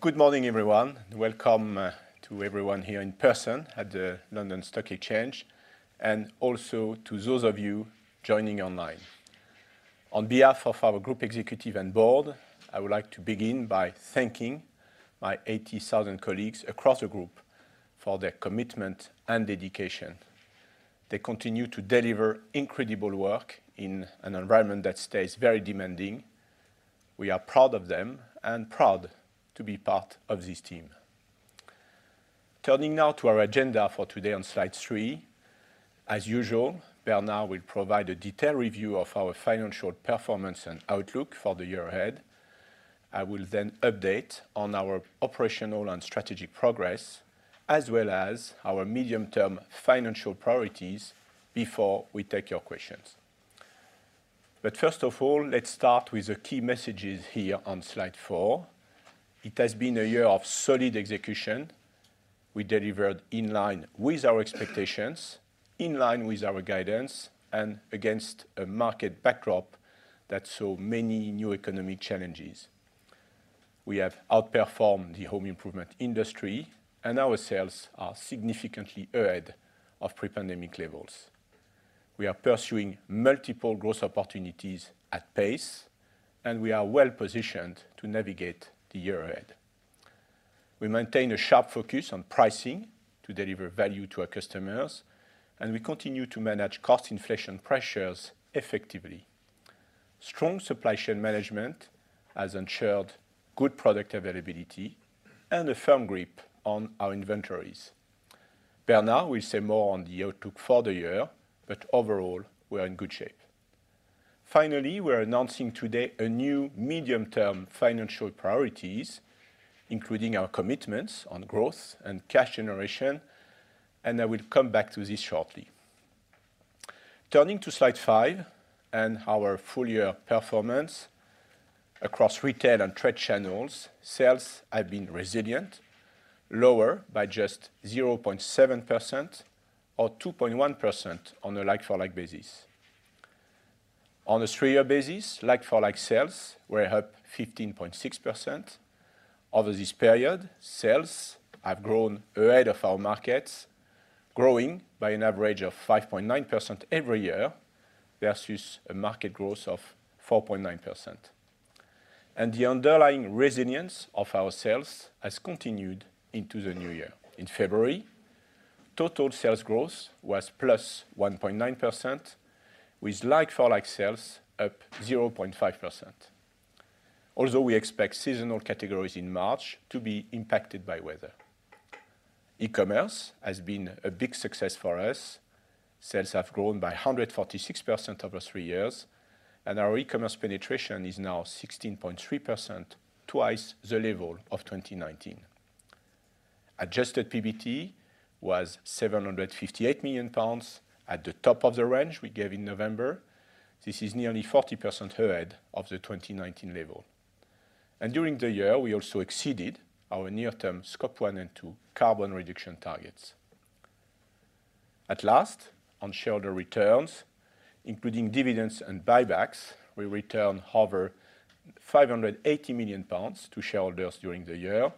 Good morning, everyone. Welcome to everyone here in person at the London Stock Exchange, and also to those of you joining online. On behalf of our group executive and board, I would like to begin by thanking my 80,000 colleagues across the group for their commitment and dedication. They continue to deliver incredible work in an environment that stays very demanding. We are proud of them and proud to be part of this team. Turning now to our agenda for today on slide three. As usual, Bernard will provide a detailed review of our financial performance and outlook for the year ahead. I will then update on our operational and strategic progress, as well as our medium-term financial priorities before we take your questions. First of all, let's start with the key messages here on slide four. It has been a year of solid execution. We delivered in line with our expectations, in line with our guidance, and against a market backdrop that saw many new economic challenges. We have outperformed the home improvement industry, and our sales are significantly ahead of pre-pandemic levels. We are pursuing multiple growth opportunities at pace, and we are well positioned to navigate the year ahead. We maintain a sharp focus on pricing to deliver value to our customers, and we continue to manage cost inflation pressures effectively. Strong supply chain management has ensured good product availability and a firm grip on our inventories. Bernard will say more on the outlook for the year, but overall, we are in good shape. Finally, we are announcing today a new medium-term financial priorities, including our commitments on growth and cash generation, and I will come back to this shortly. Turning to slide five and our full year performance across retail and trade channels, sales have been resilient, lower by just 0.7% or 2.1% on a like-for-like basis. On a three-year basis, like-for-like sales were up 15.6%. Over this period, sales have grown ahead of our markets, growing by an average of 5.9% every year versus a market growth of 4.9%. The underlying resilience of our sales has continued into the new year. In February, total sales growth was +1.9%, with like-for-like sales up 0.5%. Although we expect seasonal categories in March to be impacted by weather. E-commerce has been a big success for us. Sales have grown by 146% over three years, and our e-commerce penetration is now 16.3%, twice the level of 2019. Adjusted PBT was 758 million pounds at the top of the range we gave in November. This is nearly 40% ahead of the 2019 level. During the year, we also exceeded our near-term Scope 1 and 2 carbon reduction targets. At last, on shareholder returns, including dividends and buybacks, we returned over 580 million pounds to shareholders during the year.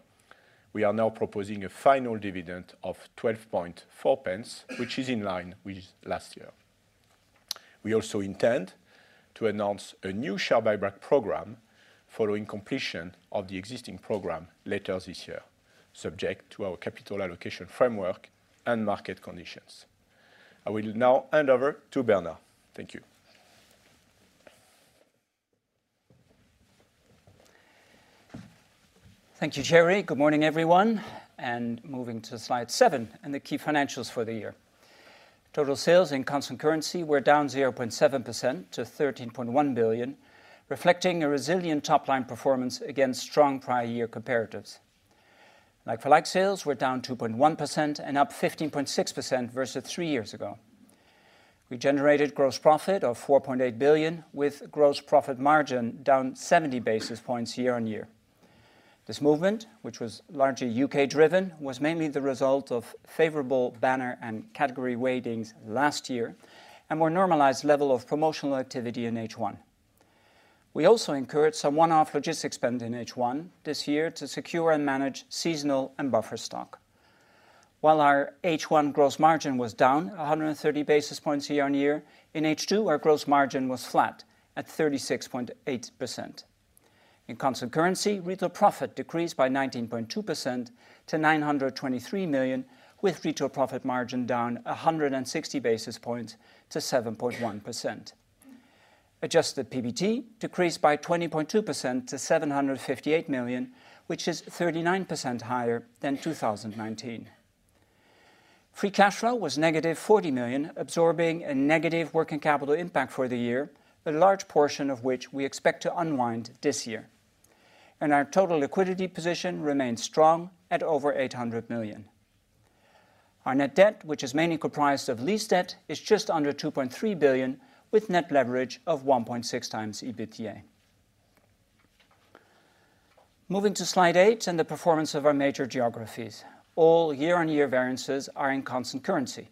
We are now proposing a final dividend of 0.124, which is in line with last year. We also intend to announce a new share buyback program following completion of the existing program later this year, subject to our capital allocation framework and market conditions. I will now hand over to Bernard. Thank you. Thank you, Thierry. Good morning, everyone. Moving to slide seven and the key financials for the year. Total sales in constant currency were down 0.7% to 13.1 billion, reflecting a resilient top-line performance against strong prior year comparatives. Like-for-like sales were down 2.1% and up 15.6% versus three years ago. We generated gross profit of 4.8 billion with gross profit margin down 70 basis points year-on-year. This movement, which was largely U.K. driven, was mainly the result of favorable banner and category weightings last year and more normalized level of promotional activity in H1. We also incurred some one-off logistics spend in H1 this year to secure and manage seasonal and buffer stock. While our H1 gross margin was down 130 basis points year on year, in H2, our gross margin was flat at 36.8%. In constant currency, retail profit decreased by 19.2% to 923 million, with retail profit margin down 160 basis points to 7.1%. Adjusted PBT decreased by 20.2% to 758 million, which is 39% higher than 2019. Free cash flow was -40 million, absorbing a negative working capital impact for the year, a large portion of which we expect to unwind this year. Our total liquidity position remains strong at over 800 million. Our net debt, which is mainly comprised of lease debt, is just under 2.3 billion with net leverage of 1.6x EBITDA. Moving to slide eight and the performance of our major geographies. All year-on-year variances are in constant currency.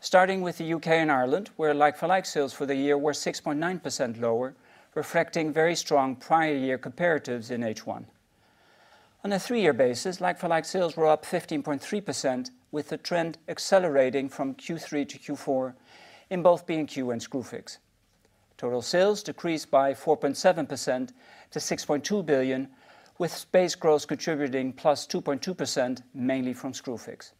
Starting with the U.K. and Ireland, where like-for-like sales for the year were 6.9% lower, reflecting very strong prior year comparatives in H1. On a three-year basis, like-for-like sales were up 15.3% with the trend accelerating from Q3 to Q4 in both B&Q and Screwfix. Total sales decreased by 4.7% to 6.2 billion, with space growth contributing +2.2% mainly from Screwfix.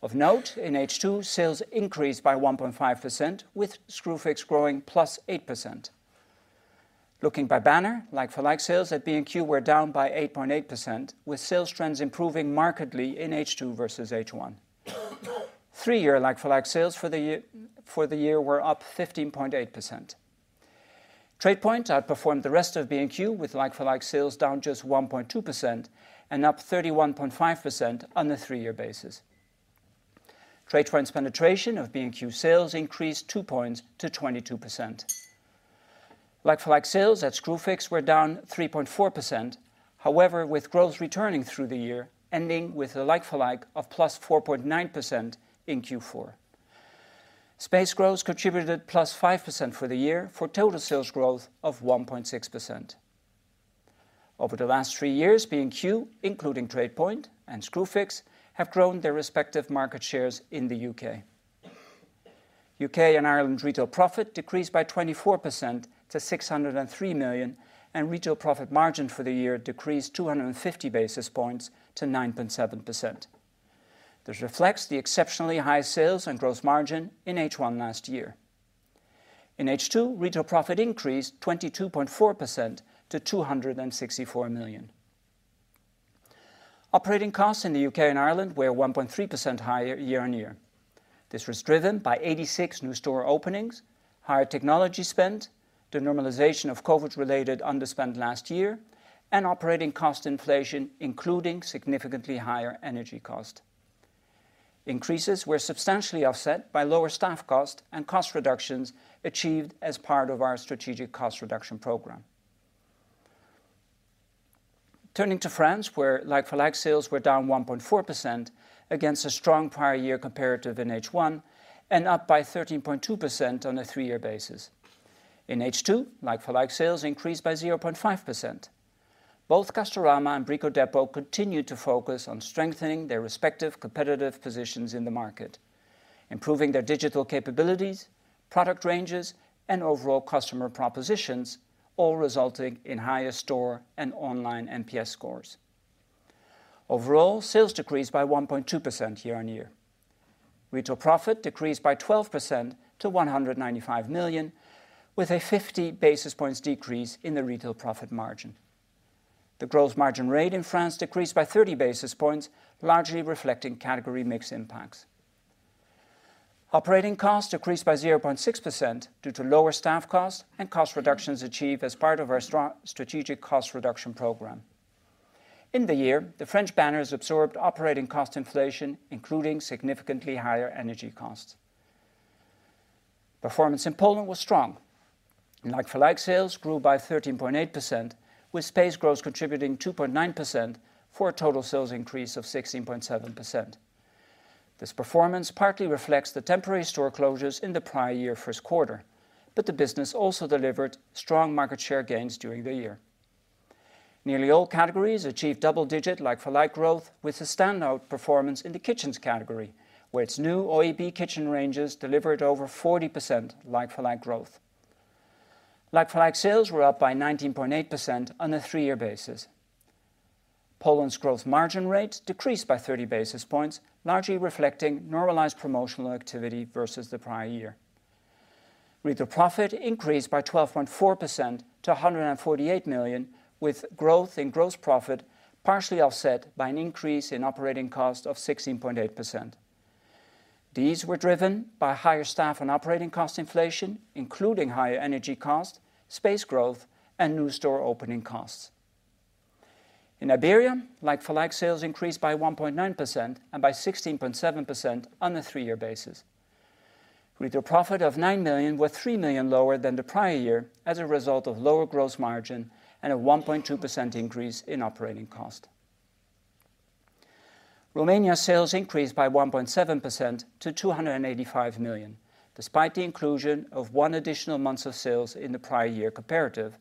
Of note, in H2, sales increased by 1.5% with Screwfix growing +8%. Looking by banner, like-for-like sales at B&Q were down by 8.8% with sales trends improving markedly in H2 versus H1. Three-year like-for-like sales for the year were up 15.8%. TradePoint outperformed the rest of B&Q with like-for-like sales down just 1.2% and up 31.5% on a three-year basis. TradePoint's penetration of B&Q sales increased 2 points to 22%. Like-for-like sales at Screwfix were down 3.4%. However, with growth returning through the year, ending with a like-for-like of +4.9% in Q4. Space growth contributed +5% for the year for total sales growth of 1.6%. Over the last three years, B&Q, including TradePoint and Screwfix, have grown their respective market shares in the U.K.. U.K. and Ireland retail profit decreased by 24% to 603 million, and retail profit margin for the year decreased 250 basis points to 9.7%. This reflects the exceptionally high sales and growth margin in H1 last year. In H2, retail profit increased 22.4% to 264 million. Operating costs in the U.K. and Ireland were 1.3% higher year-on-year. This was driven by 86 new store openings, higher technology spend, the normalization of COVID-related underspend last year, and operating cost inflation, including significantly higher energy cost. Increases were substantially offset by lower staff cost and cost reductions achieved as part of our strategic cost reduction program. Turning to France, where like-for-like sales were down 1.4% against a strong prior year comparative in H1 and up by 13.2% on a 3-year basis. In H2, like-for-like sales increased by 0.5%. Both Castorama and Brico Dépôt continued to focus on strengthening their respective competitive positions in the market, improving their digital capabilities, product ranges, and overall customer propositions, all resulting in higher store and online NPS scores. Overall, sales decreased by 1.2% year-on-year. Retail profit decreased by 12% to 195 million, with a 50 basis points decrease in the retail profit margin. The growth margin rate in France decreased by 30 basis points, largely reflecting category mix impacts. Operating costs decreased by 0.6% due to lower staff costs and cost reductions achieved as part of our strategic cost reduction program. In the year, the French banners absorbed operating cost inflation, including significantly higher energy costs. Performance in Poland was strong. Like-for-like sales grew by 13.8%, with space growth contributing 2.9% for a total sales increase of 16.7%. This performance partly reflects the temporary store closures in the prior year first quarter, the business also delivered strong market share gains during the year. Nearly all categories achieved double-digit like-for-like growth with a standout performance in the kitchens category, where its new OEB kitchen ranges delivered over 40% like-for-like growth. Like-for-like sales were up by 19.8% on a three-year basis. Poland's growth margin rate decreased by 30 basis points, largely reflecting normalized promotional activity versus the prior year. Retail profit increased by 12.4% to 148 million, with growth in gross profit partially offset by an increase in operating cost of 16.8%. These were driven by higher staff and operating cost inflation, including higher energy cost, space growth, and new store opening costs. In Iberia, like-for-like sales increased by 1.9% and by 16.7% on a three-year basis. Retail profit of 9 million was 3 million lower than the prior year as a result of lower gross margin and a 1.2% increase in operating cost. Romania sales increased by 1.7% to 285 million, despite the inclusion of one additional month of sales in the prior year comparative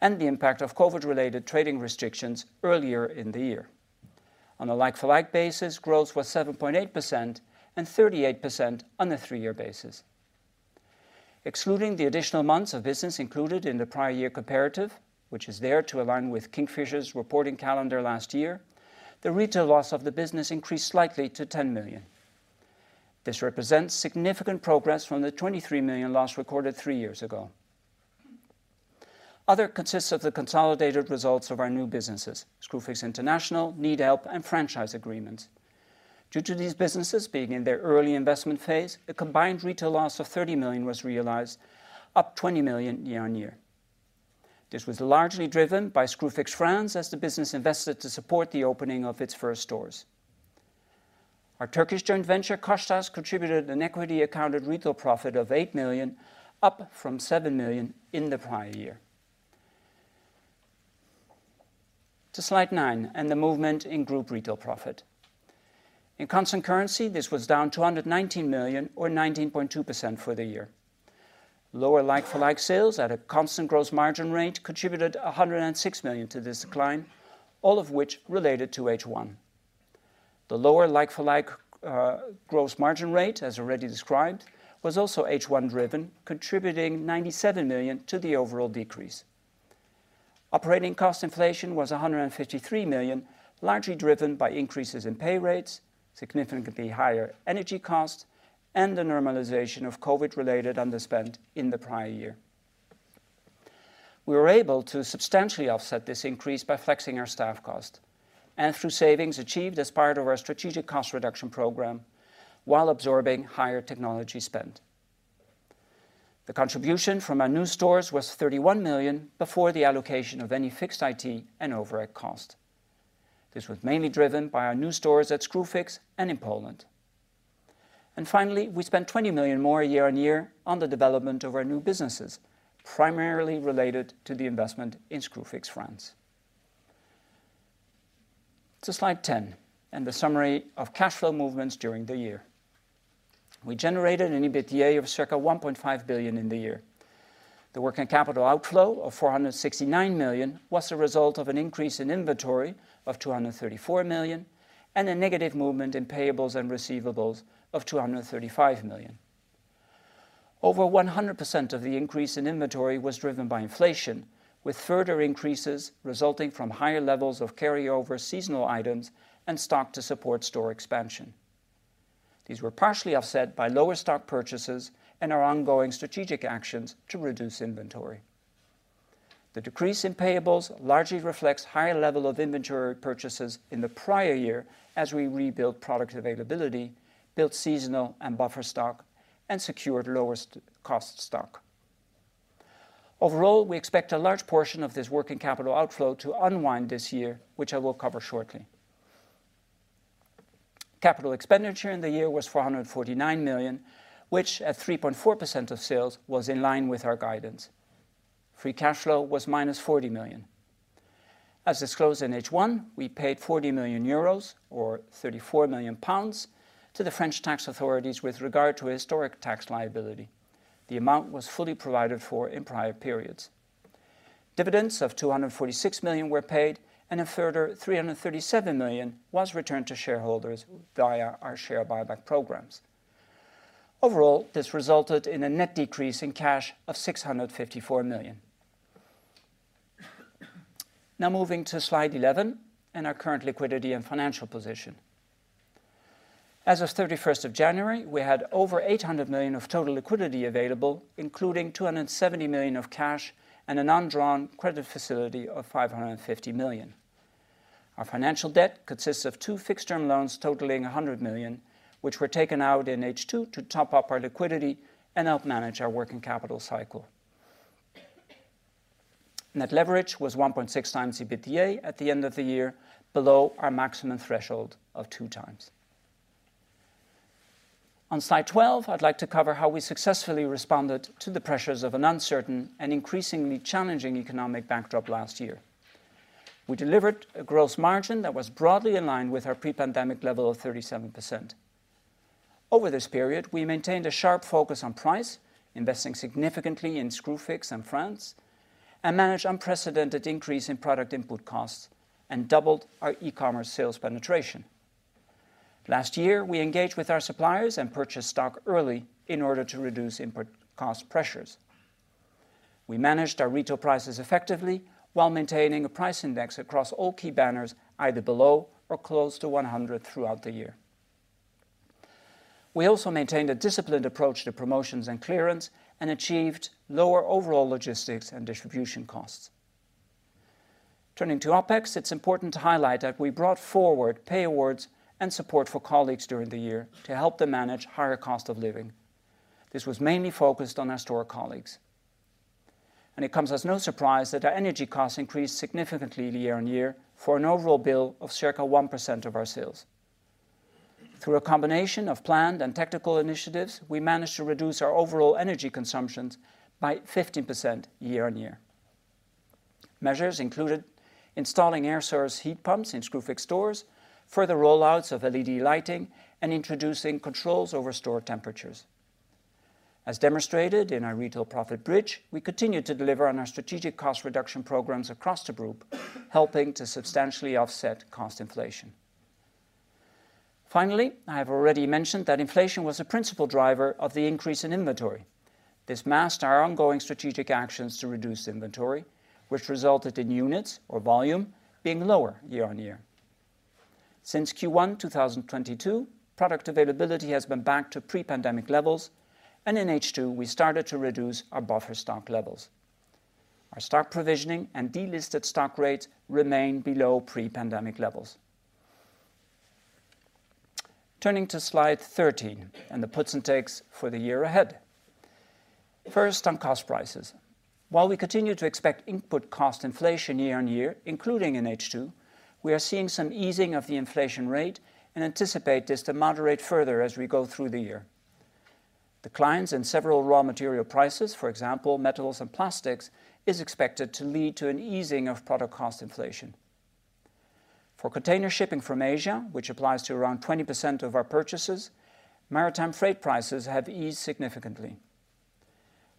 and the impact of COVID-related trading restrictions earlier in the year. On a like-for-like basis, growth was 7.8% and 38% on a three-year basis. Excluding the additional months of business included in the prior year comparative, which is there to align with Kingfisher's reporting calendar last year, the retail loss of the business increased slightly to 10 million. This represents significant progress from the 23 million loss recorded three years ago. Other consists of the consolidated results of our new businesses, Screwfix International, NeedHelp, and franchise agreements. Due to these businesses being in their early investment phase, a combined retail loss of 30 million was realized, up 20 million year-on-year. This was largely driven by Screwfix France as the business invested to support the opening of its first stores. Our Turkish joint venture, Koçtaş, contributed an equity accounted retail profit of 8 million, up from 7 million in the prior year. To slide nine and the movement in Group retail profit. In constant currency, this was down 219 million or 19.2% for the year. Lower like-for-like sales at a constant gross margin rate contributed 106 million to this decline, all of which related to H1. The lower like-for-like gross margin rate, as already described, was also H1 driven, contributing 97 million to the overall decrease. Operating cost inflation was 153 million, largely driven by increases in pay rates, significantly higher energy costs, and the normalization of COVID-related underspend in the prior year. We were able to substantially offset this increase by flexing our staff cost and through savings achieved as part of our strategic cost reduction program while absorbing higher technology spend. The contribution from our new stores was 31 million before the allocation of any fixed IT and overhead cost. This was mainly driven by our new stores at Screwfix and in Poland. Finally, we spent 20 million more year-on-year on the development of our new businesses, primarily related to the investment in Screwfix France. To slide 10 and the summary of cash flow movements during the year. We generated an EBITDA of circa 1.5 billion in the year. The working capital outflow of 469 million was the result of an increase in inventory of 234 million and a negative movement in payables and receivables of 235 million. Over 100% of the increase in inventory was driven by inflation, with further increases resulting from higher levels of carryover seasonal items and stock to support store expansion. These were partially offset by lower stock purchases and our ongoing strategic actions to reduce inventory. The decrease in payables largely reflects higher level of inventory purchases in the prior year as we rebuilt product availability, built seasonal and buffer stock, and secured lower cost stock. Overall, we expect a large portion of this working capital outflow to unwind this year, which I will cover shortly. Capital expenditure in the year was 449 million, which at 3.4% of sales was in line with our guidance. Free cash flow was -40 million. As disclosed in H1, we paid 40 million euros or 34 million pounds to the French tax authorities with regard to historic tax liability. The amount was fully provided for in prior periods. Dividends of 246 million were paid, and a further 337 million was returned to shareholders via our share buyback programs. Overall, this resulted in a net decrease in cash of 654 million. Now moving to slide 11 and our current liquidity and financial position. As of January 31, we had over 800 million of total liquidity available, including 270 million of cash and an undrawn credit facility of 550 million. Our financial debt consists of two fixed-term loans totaling 100 million, which were taken out in H2 to top up our liquidity and help manage our working capital cycle. Net leverage was 1.6x EBITDA at the end of the year, below our maximum threshold of 2x. On slide 12, I'd like to cover how we successfully responded to the pressures of an uncertain and increasingly challenging economic backdrop last year. We delivered a gross margin that was broadly in line with our pre-pandemic level of 37%. Over this period, we maintained a sharp focus on price, investing significantly in Screwfix and France, and managed unprecedented increase in product input costs and doubled our e-commerce sales penetration. Last year, we engaged with our suppliers and purchased stock early in order to reduce input cost pressures. We managed our retail prices effectively while maintaining a price index across all key banners, either below or close to 100 throughout the year. We also maintained a disciplined approach to promotions and clearance and achieved lower overall logistics and distribution costs. Turning to OpEx, it's important to highlight that we brought forward pay awards and support for colleagues during the year to help them manage higher cost of living. This was mainly focused on our store colleagues. It comes as no surprise that our energy costs increased significantly year-on-year for an overall bill of circa 1% of our sales. Through a combination of planned and tactical initiatives, we managed to reduce our overall energy consumptions by 50% year-on-year. Measures included installing air source heat pumps in Screwfix stores, further rollouts of LED lighting, and introducing controls over store temperatures. As demonstrated in our retail profit bridge, we continued to deliver on our strategic cost reduction programs across the group, helping to substantially offset cost inflation. I have already mentioned that inflation was a principal driver of the increase in inventory. This masked our ongoing strategic actions to reduce inventory, which resulted in units or volume being lower year-on-year. Since Q1 2022, product availability has been back to pre-pandemic levels, and in H2, we started to reduce our buffer stock levels. Our stock provisioning and delisted stock rates remain below pre-pandemic levels. Turning to slide 13 and the puts and takes for the year ahead. First, on cost prices. While we continue to expect input cost inflation year-on-year, including in H2, we are seeing some easing of the inflation rate and anticipate this to moderate further as we go through the year. Declines in several raw material prices, for example, metals and plastics, is expected to lead to an easing of product cost inflation. For container shipping from Asia, which applies to around 20% of our purchases, maritime freight prices have eased significantly.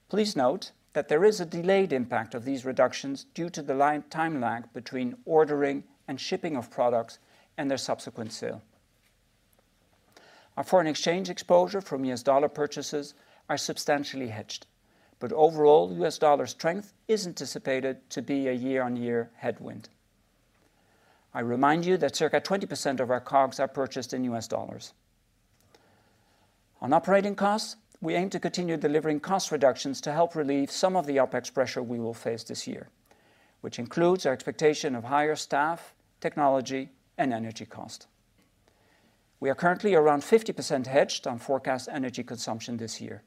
Please note that there is a delayed impact of these reductions due to the time lag between ordering and shipping of products and their subsequent sale. Our foreign exchange exposure from US dollar purchases are substantially hedged, but overall US dollar strength is anticipated to be a year-on-year headwind. I remind you that circa 20% of our COGS are purchased in US dollars. On operating costs, we aim to continue delivering cost reductions to help relieve some of the OpEx pressure we will face this year, which includes our expectation of higher staff, technology, and energy cost. We are currently around 50% hedged on forecast energy consumption this year.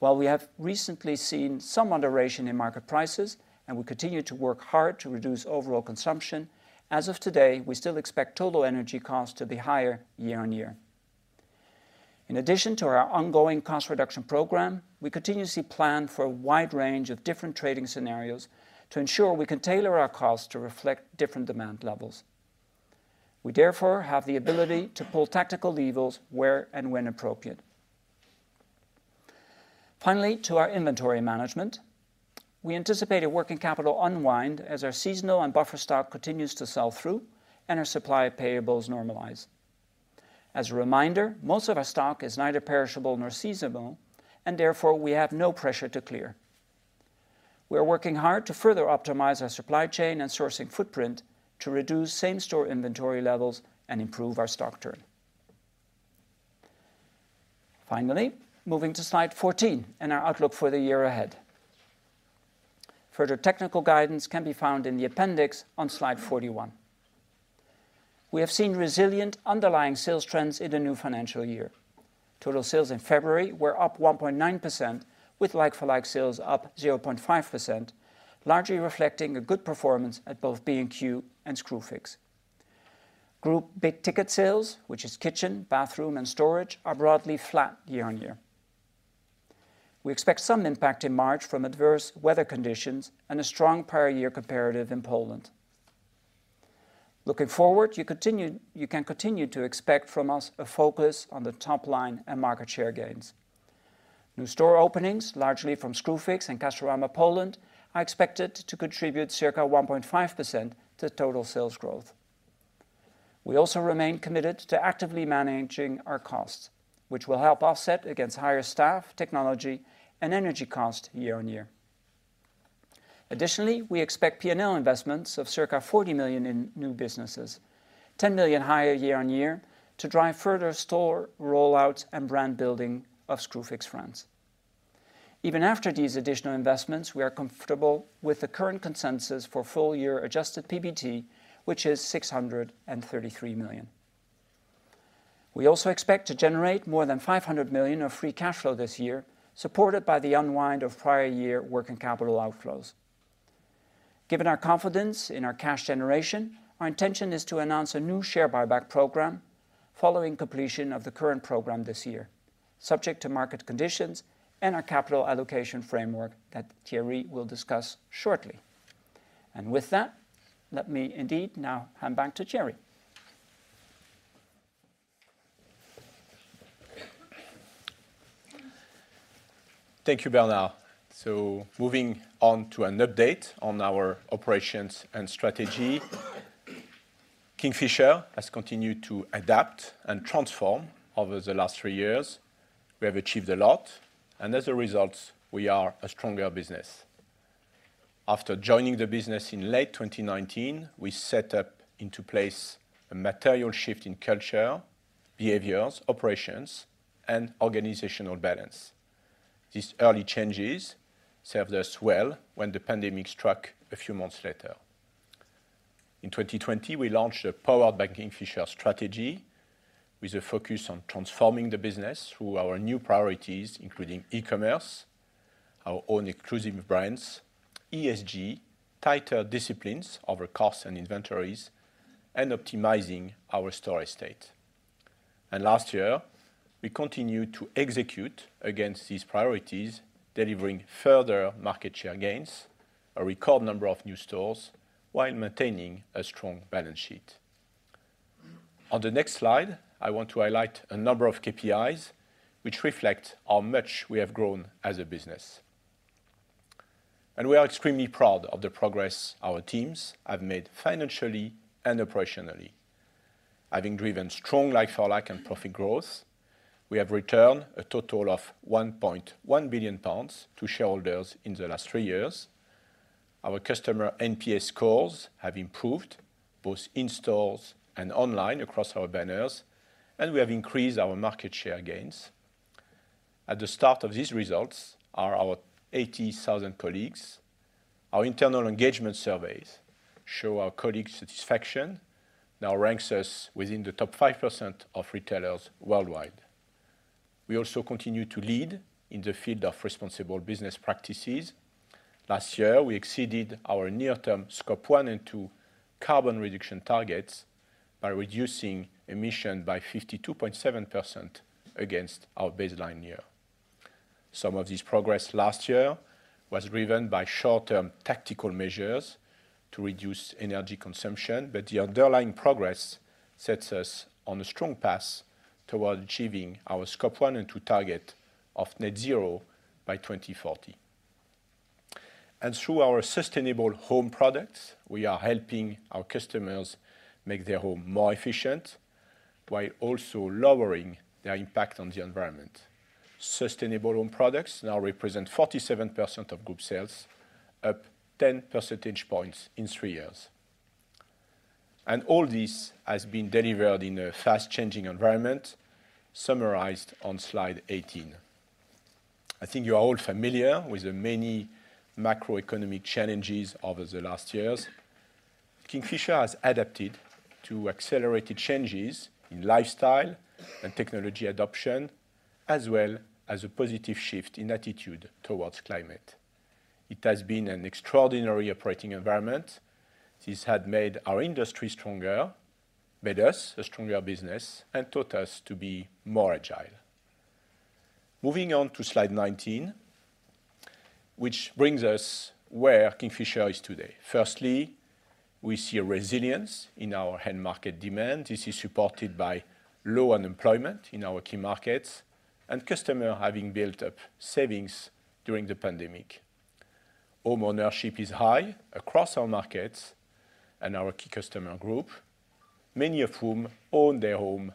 While we have recently seen some moderation in market prices and we continue to work hard to reduce overall consumption, as of today, we still expect total energy costs to be higher year-on-year. In addition to our ongoing cost reduction program, we continuously plan for a wide range of different trading scenarios to ensure we can tailor our costs to reflect different demand levels. We therefore have the ability to pull tactical levels where and when appropriate. To our inventory management, we anticipate a working capital unwind as our seasonal and buffer stock continues to sell through and our supply payables normalize. As a reminder, most of our stock is neither perishable nor seasonal and therefore we have no pressure to clear. We are working hard to further optimize our supply chain and sourcing footprint to reduce same-store inventory levels and improve our stock turn. Moving to slide 14 and our outlook for the year ahead. Further technical guidance can be found in the appendix on slide 41. We have seen resilient underlying sales trends in the new financial year. Total sales in February were up 1.9% with like-for-like sales up 0.5%, largely reflecting a good performance at both B&Q and Screwfix. Group big ticket sales, which is kitchen, bathroom, and storage, are broadly flat year-on-year. We expect some impact in March from adverse weather conditions and a strong prior year comparative in Poland. Looking forward, you can continue to expect from us a focus on the top line and market share gains. New store openings, largely from Screwfix and Castorama Poland, are expected to contribute circa 1.5% to total sales growth. We also remain committed to actively managing our costs, which will help offset against higher staff, technology, and energy cost year-on-year. We expect P&L investments of circa 40 million in new businesses, 10 million higher year-on-year to drive further store rollouts and brand building of Screwfix France. After these additional investments, we are comfortable with the current consensus for full year Adjusted PBT, which is 633 million. We also expect to generate more than 500 million of free cash flow this year, supported by the unwind of prior year working capital outflows. Given our confidence in our cash generation, our intention is to announce a new share buyback program following completion of the current program this year, subject to market conditions and our capital allocation framework that Thierry will discuss shortly. With that, let me indeed now hand back to Thierry. Thank you, Bernard. Moving on to an update on our operations and strategy. Kingfisher has continued to adapt and transform over the last three years. We have achieved a lot, and as a result, we are a stronger business. After joining the business in late 2019, we set up into place a material shift in culture, behaviors, operations, and organizational balance. These early changes served us well when the pandemic struck a few months later. In 2020, we launched a Powered by Kingfisher strategy with a focus on transforming the business through our new priorities, including e-commerce, our own exclusive brands, ESG, tighter disciplines over costs and inventories, and optimizing our store estate. Last year, we continued to execute against these priorities, delivering further market share gains, a record number of new stores while maintaining a strong balance sheet. On the next slide, I want to highlight a number of KPIs which reflect how much we have grown as a business. We are extremely proud of the progress our teams have made financially and operationally. Having driven strong like-for-like and profit growth, we have returned a total of 1.1 billion pounds to shareholders in the last three years. Our customer NPS scores have improved both in stores and online across our banners, and we have increased our market share gains. At the start of these results are our 80,000 colleagues. Our internal engagement surveys show our colleague satisfaction now ranks us within the top 5% of retailers worldwide. We also continue to lead in the field of responsible business practices. Last year, we exceeded our near-term Scope 1 and 2 carbon reduction targets by reducing emission by 52.7% against our baseline year. Some of this progress last year was driven by short-term tactical measures to reduce energy consumption, the underlying progress sets us on a strong path toward achieving our Scope 1 and 2 target of net zero by 2040. Through our Sustainable Home Products, we are helping our customers make their home more efficient while also lowering their impact on the environment. Sustainable Home Products now represent 47% of group sales, up 10 percentage points in three years. All this has been delivered in a fast-changing environment, summarized on slide 18. I think you are all familiar with the many macroeconomic challenges over the last years. Kingfisher has adapted to accelerated changes in lifestyle and technology adoption, as well as a positive shift in attitude towards climate. It has been an extraordinary operating environment. This has made our industry stronger, made us a stronger business, and taught us to be more agile. Moving on to slide 19, which brings us where Kingfisher is today. We see a resilience in our end market demand. This is supported by low unemployment in our key markets and customer having built up savings during the pandemic. Home ownership is high across our markets and our key customer group, many of whom own their home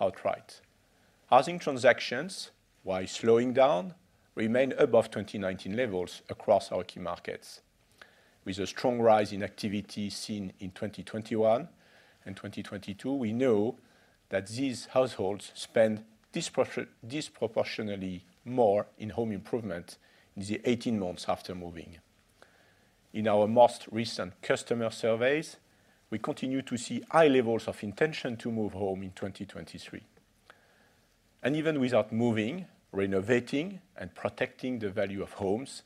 outright. Housing transactions, while slowing down, remain above 2019 levels across our key markets. With a strong rise in activity seen in 2021 and 2022, we know that these households spend disproportionately more in home improvement in the 18 months after moving. In our most recent customer surveys, we continue to see high levels of intention to move home in 2023. Even without moving, renovating and protecting the value of homes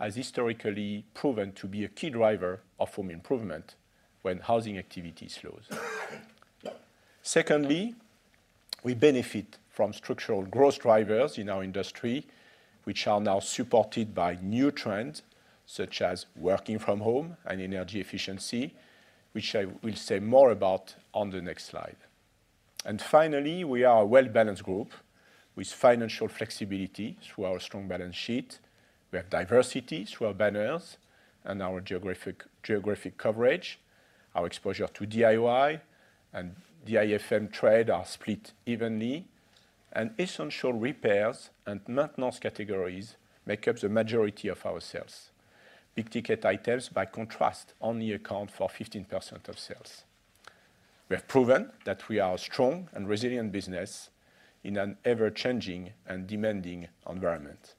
has historically proven to be a key driver of home improvement when housing activity slows. Secondly, we benefit from structural growth drivers in our industry, which are now supported by new trends such as working from home and energy efficiency, which I will say more about on the next slide. Finally, we are a well-balanced group with financial flexibility through our strong balance sheet. We have diversity through our banners and our geographic coverage. Our exposure to DIY and DIFM trade are split evenly, and essential repairs and maintenance categories make up the majority of our sales. Big-ticket items, by contrast, only account for 15% of sales. We have proven that we are a strong and resilient business in an ever-changing and demanding environment.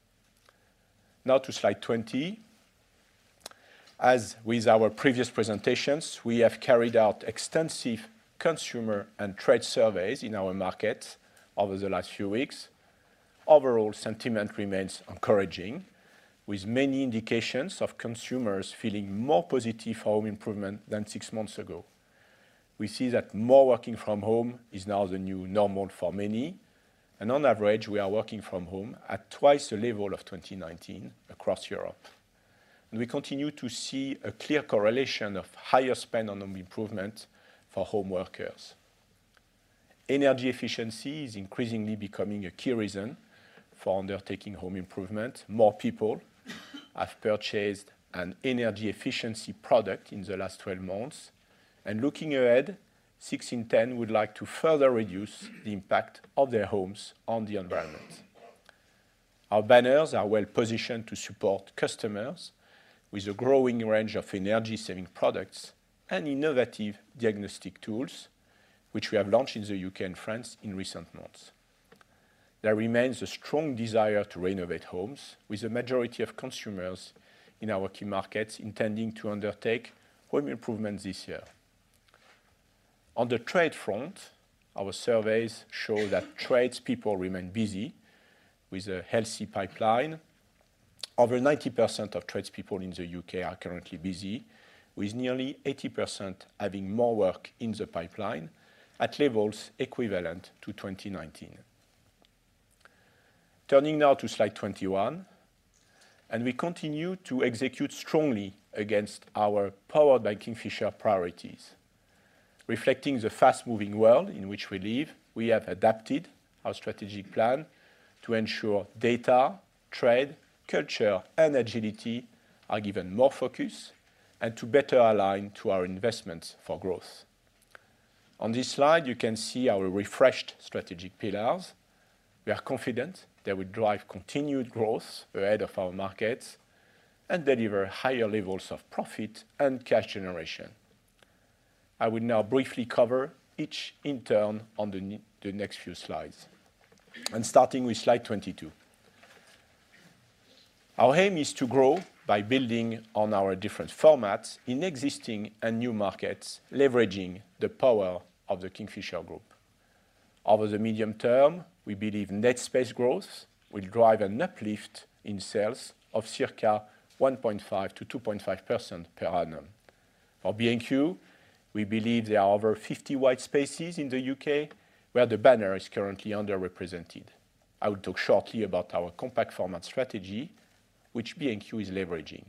Now to slide 20. As with our previous presentations, we have carried out extensive consumer and trade surveys in our markets over the last few weeks. Overall sentiment remains encouraging, with many indications of consumers feeling more positive home improvement than six months ago. We see that more working from home is now the new normal for many, on average, we are working from home at 2x the level of 2019 across Europe. We continue to see a clear correlation of higher spend on home improvement for home workers. Energy efficiency is increasingly becoming a key reason for undertaking home improvement. More people have purchased an energy efficiency product in the last 12 months. Looking ahead, six in 10 would like to further reduce the impact of their homes on the environment. Our banners are well-positioned to support customers with a growing range of energy-saving products and innovative diagnostic tools, which we have launched in the U.K. and France in recent months. There remains a strong desire to renovate homes, with the majority of consumers in our key markets intending to undertake home improvement this year. On the trade front, our surveys show that tradespeople remain busy with a healthy pipeline. Over 90% of tradespeople in the U.K. are currently busy, with nearly 80% having more work in the pipeline at levels equivalent to 2019. Turning now to slide 21, we continue to execute strongly against our Powered by Kingfisher priorities. Reflecting the fast-moving world in which we live, we have adapted our strategic plan to ensure data, trade, culture, and agility are given more focus and to better align to our investments for growth. On this slide, you can see our refreshed strategic pillars. We are confident they will drive continued growth ahead of our markets and deliver higher levels of profit and cash generation. I will now briefly cover each in turn on the next few slides. Starting with slide 22. Our aim is to grow by building on our different formats in existing and new markets, leveraging the power of the Kingfisher Group. Over the medium term, we believe net space growth will drive an uplift in sales of circa 1.5%-2.5% per annum. For B&Q, we believe there are over 50 white spaces in the U.K. where the banner is currently underrepresented. I will talk shortly about our compact format strategy, which B&Q is leveraging.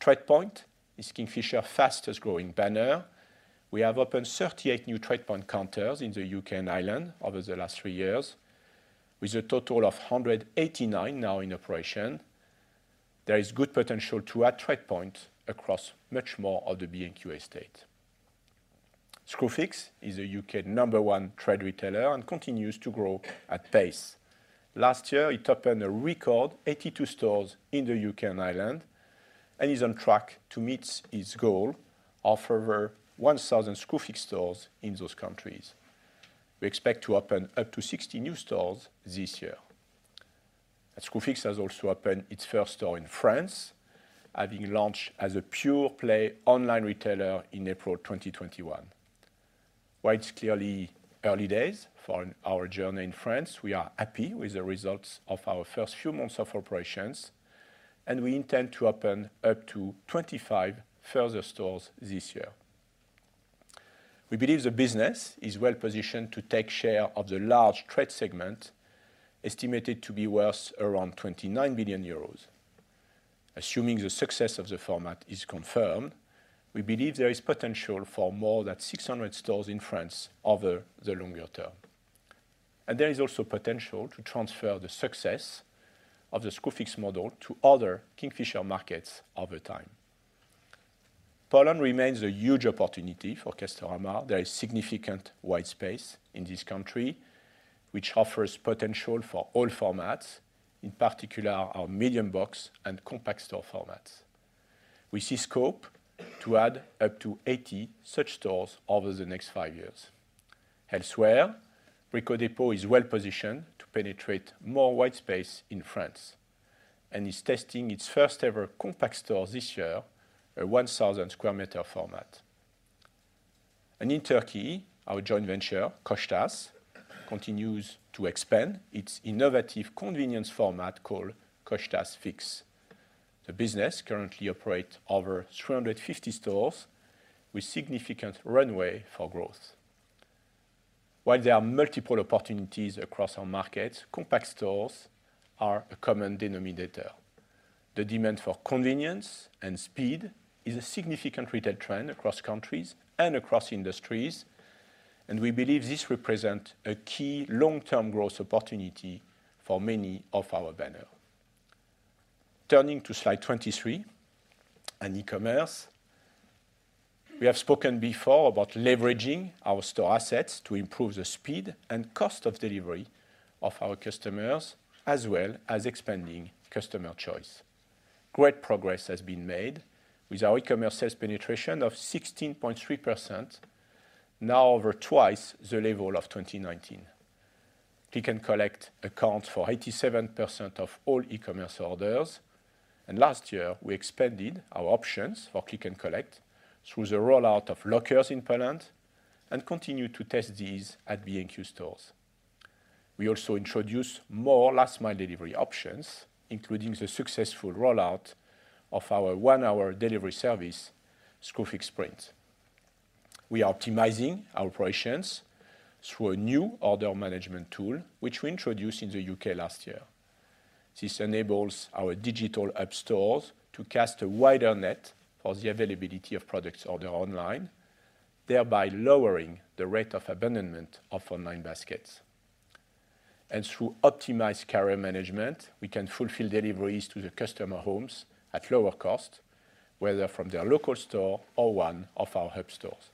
TradePoint is Kingfisher fastest-growing banner. We have opened 38 new TradePoint counters in the U.K. and Ireland over the last three years, with a total of 189 now in operation. There is good potential to add TradePoint across much more of the B&Q estate. Screwfix is the U.K. number one trade retailer and continues to grow at pace. Last year, it opened a record 82 stores in the U.K. and Ireland and is on track to meet its goal of over 1,000 Screwfix stores in those countries. We expect to open up to 60 new stores this year. Screwfix has also opened its first store in France, having launched as a pure-play online retailer in April 2021. While it's clearly early days for our journey in France, we are happy with the results of our first few months of operations, and we intend to open up to 25 further stores this year. We believe the business is well-positioned to take share of the large trade segment, estimated to be worth around 29 billion euros. Assuming the success of the format is confirmed, we believe there is potential for more than 600 stores in France over the longer term. There is also potential to transfer the success of the Screwfix model to other Kingfisher markets over time. Poland remains a huge opportunity for Castorama. There is significant white space in this country, which offers potential for all formats, in particular our medium box and compact store formats. We see scope to add up to 80 such stores over the next five years. Elsewhere, Brico Dépôt is well-positioned to penetrate more white space in France and is testing its first-ever compact store this year, a 1,000 sq meter format. In Turkey, our joint venture, Koçtaş, continues to expand its innovative convenience format called Koçtaş Fix. The business currently operate over 350 stores with significant runway for growth. While there are multiple opportunities across our markets, compact stores are a common denominator. The demand for convenience and speed is a significant retail trend across countries and across industries, and we believe this represent a key long-term growth opportunity for many of our banner. Turning to slide 23 and e-commerce. We have spoken before about leveraging our store assets to improve the speed and cost of delivery of our customers, as well as expanding customer choice. Great progress has been made with our e-commerce sales penetration of 16.3%, now over twice the level of 2019. Click and collect account for 87% of all e-commerce orders. Last year we expanded our options for click and collect through the rollout of lockers in Poland and continue to test these at B&Q stores. We also introduced more last mile delivery options, including the successful rollout of our one-hour delivery service, Screwfix Sprint. We are optimizing our operations through a new order management tool, which we introduced in the U.K. last year. This enables our digital hub stores to cast a wider net for the availability of products order online, thereby lowering the rate of abandonment of online baskets. Through optimized carrier management, we can fulfill deliveries to the customer homes at lower cost, whether from their local store or one of our hub stores.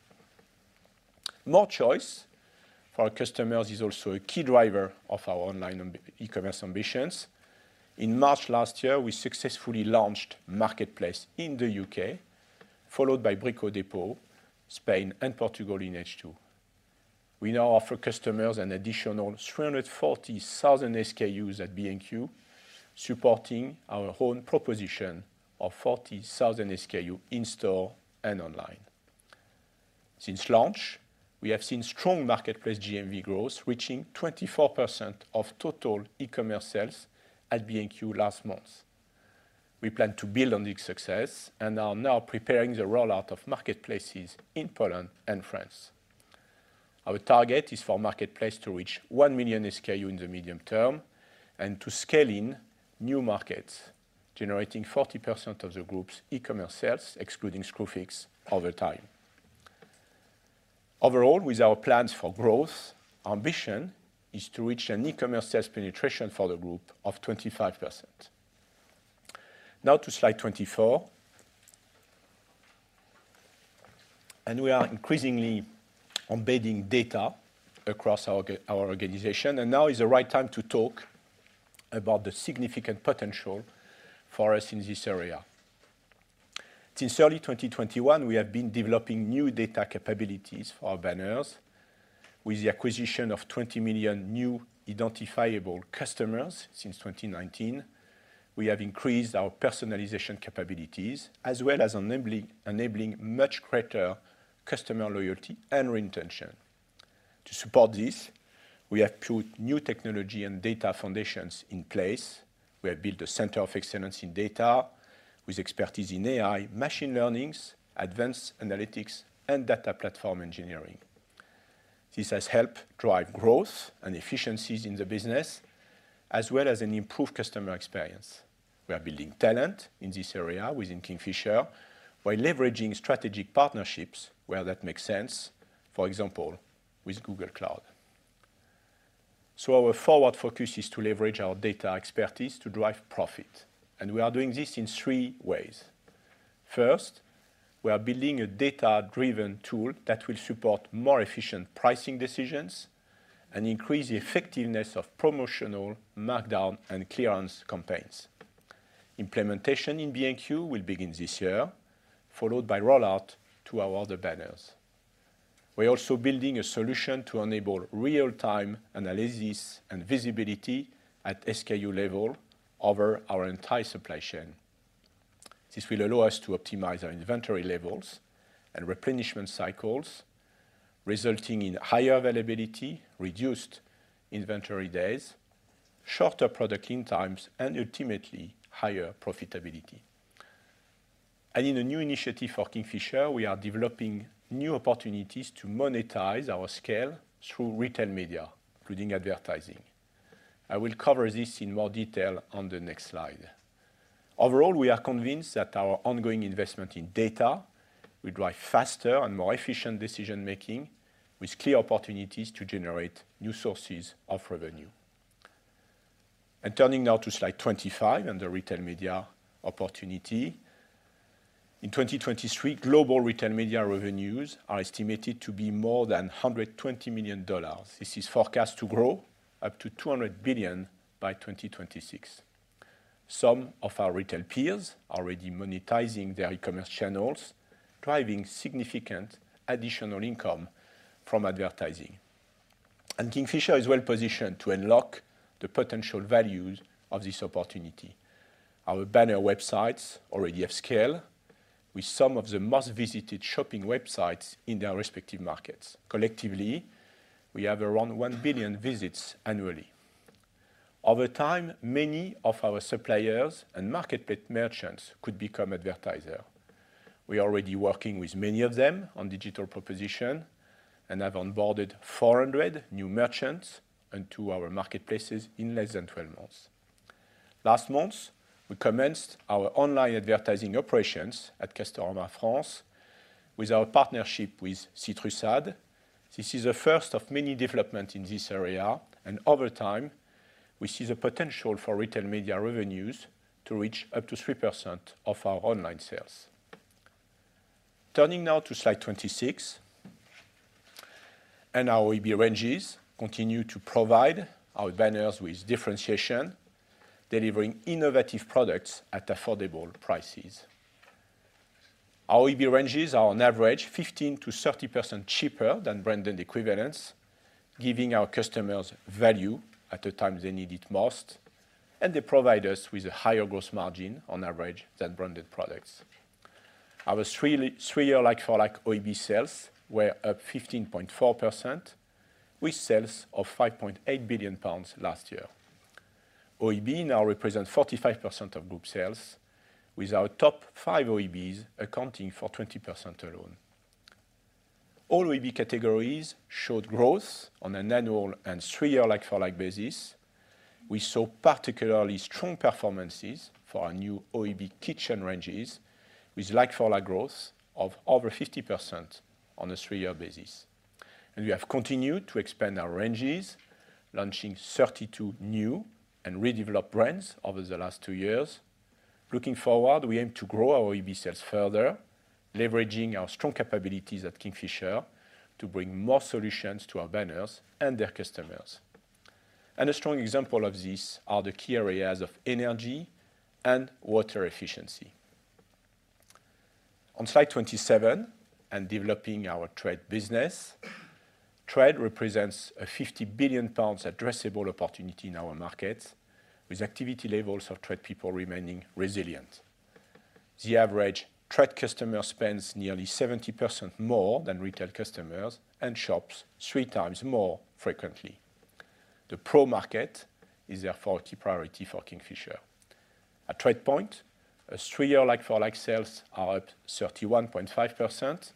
More choice for our customers is also a key driver of our online e-commerce ambitions. In March last year, we successfully launched Marketplace in the U.K., followed by Brico Dépôt, Spain and Portugal in H2. We now offer customers an additional 340,000 SKUs at B&Q, supporting our own proposition of 40,000 SKU in store and online. Since launch, we have seen strong Marketplace GMV growth, reaching 24% of total e-commerce sales at B&Q last month. We plan to build on this success and are now preparing the rollout of Marketplaces in Poland and France. Our target is for Marketplace to reach 1 million SKU in the medium term and to scale in new markets, generating 40% of the Group's e-commerce sales, excluding Screwfix over time. Overall, with our plans for growth, ambition is to reach an e-commerce sales penetration for the Group of 25%. Now to slide 24. We are increasingly embedding data across our organization, and now is the right time to talk about the significant potential for us in this area. Since early 2021, we have been developing new data capabilities for our banners with the acquisition of 20 million new identifiable customers since 2019. We have increased our personalization capabilities as well as enabling much greater customer loyalty and retention. To support this, we have put new technology and data foundations in place. We have built a center of excellence in data with expertise in AI, machine learning, advanced analytics, and data platform engineering. This has helped drive growth and efficiencies in the business, as well as an improved customer experience. We are building talent in this area within Kingfisher by leveraging strategic partnerships where that makes sense, for example, with Google Cloud. Our forward focus is to leverage our data expertise to drive profit, and we are doing this in three ways. First, we are building a data-driven tool that will support more efficient pricing decisions and increase the effectiveness of promotional markdown and clearance campaigns. Implementation in B&Q will begin this year, followed by rollout to our other banners. We're also building a solution to enable real-time analysis and visibility at SKU level over our entire supply chain. This will allow us to optimize our inventory levels and replenishment cycles, resulting in higher availability, reduced inventory days, shorter product lead times, and ultimately higher profitability. In a new initiative for Kingfisher, we are developing new opportunities to monetize our scale through retail media, including advertising. I will cover this in more detail on the next slide. Overall, we are convinced that our ongoing investment in data will drive faster and more efficient decision-making with clear opportunities to generate new sources of revenue. Turning now to slide 25 and the retail media opportunity. In 2023, global retail media revenues are estimated to be more than $120 million. This is forecast to grow up to $200 billion by 2026. Some of our retail peers are already monetizing their e-commerce channels, driving significant additional income from advertising. Kingfisher is well positioned to unlock the potential values of this opportunity. Our banner websites already have scale with some of the most visited shopping websites in their respective markets. Collectively, we have around 1 billion visits annually. Over time, many of our suppliers and marketplace merchants could become advertisers. We are already working with many of them on digital proposition and have onboarded 400 new merchants into our marketplaces in less than 12 months. Last month, we commenced our online advertising operations at Castorama France with our partnership with CitrusAd. This is the first of many developments in this area, over time, we see the potential for retail media revenues to reach up to 3% of our online sales. Turning now to slide 26. Our OEB ranges continue to provide our banners with differentiation, delivering innovative products at affordable prices. Our OEB ranges are on average 15%-30% cheaper than branded equivalents, giving our customers value at the time they need it most, and they provide us with a higher gross margin on average than branded products. Our three-year like-for-like OEB sales were up 15.4%, with sales of 5.8 billion pounds last year. OEB now represents 45% of group sales, with our top five OEBs accounting for 20% alone. All OEB categories showed growth on an annual and three-year like-for-like basis. We saw particularly strong performances for our new OEB kitchen ranges with like-for-like growth of over 50% on a three-year basis. We have continued to expand our ranges, launching 32 new and redeveloped brands over the last two years. Looking forward, we aim to grow our OEB sales further, leveraging our strong capabilities at Kingfisher to bring more solutions to our banners and their customers. A strong example of this are the key areas of energy and water efficiency. On slide 27 and developing our trade business. Trade represents a 50 billion pounds addressable opportunity in our markets, with activity levels of trade people remaining resilient. The average trade customer spends nearly 70% more than retail customers and shops three times more frequently. The pro market is therefore a key priority for Kingfisher. At TradePoint, as three-year like-for-like sales are up 31.5%,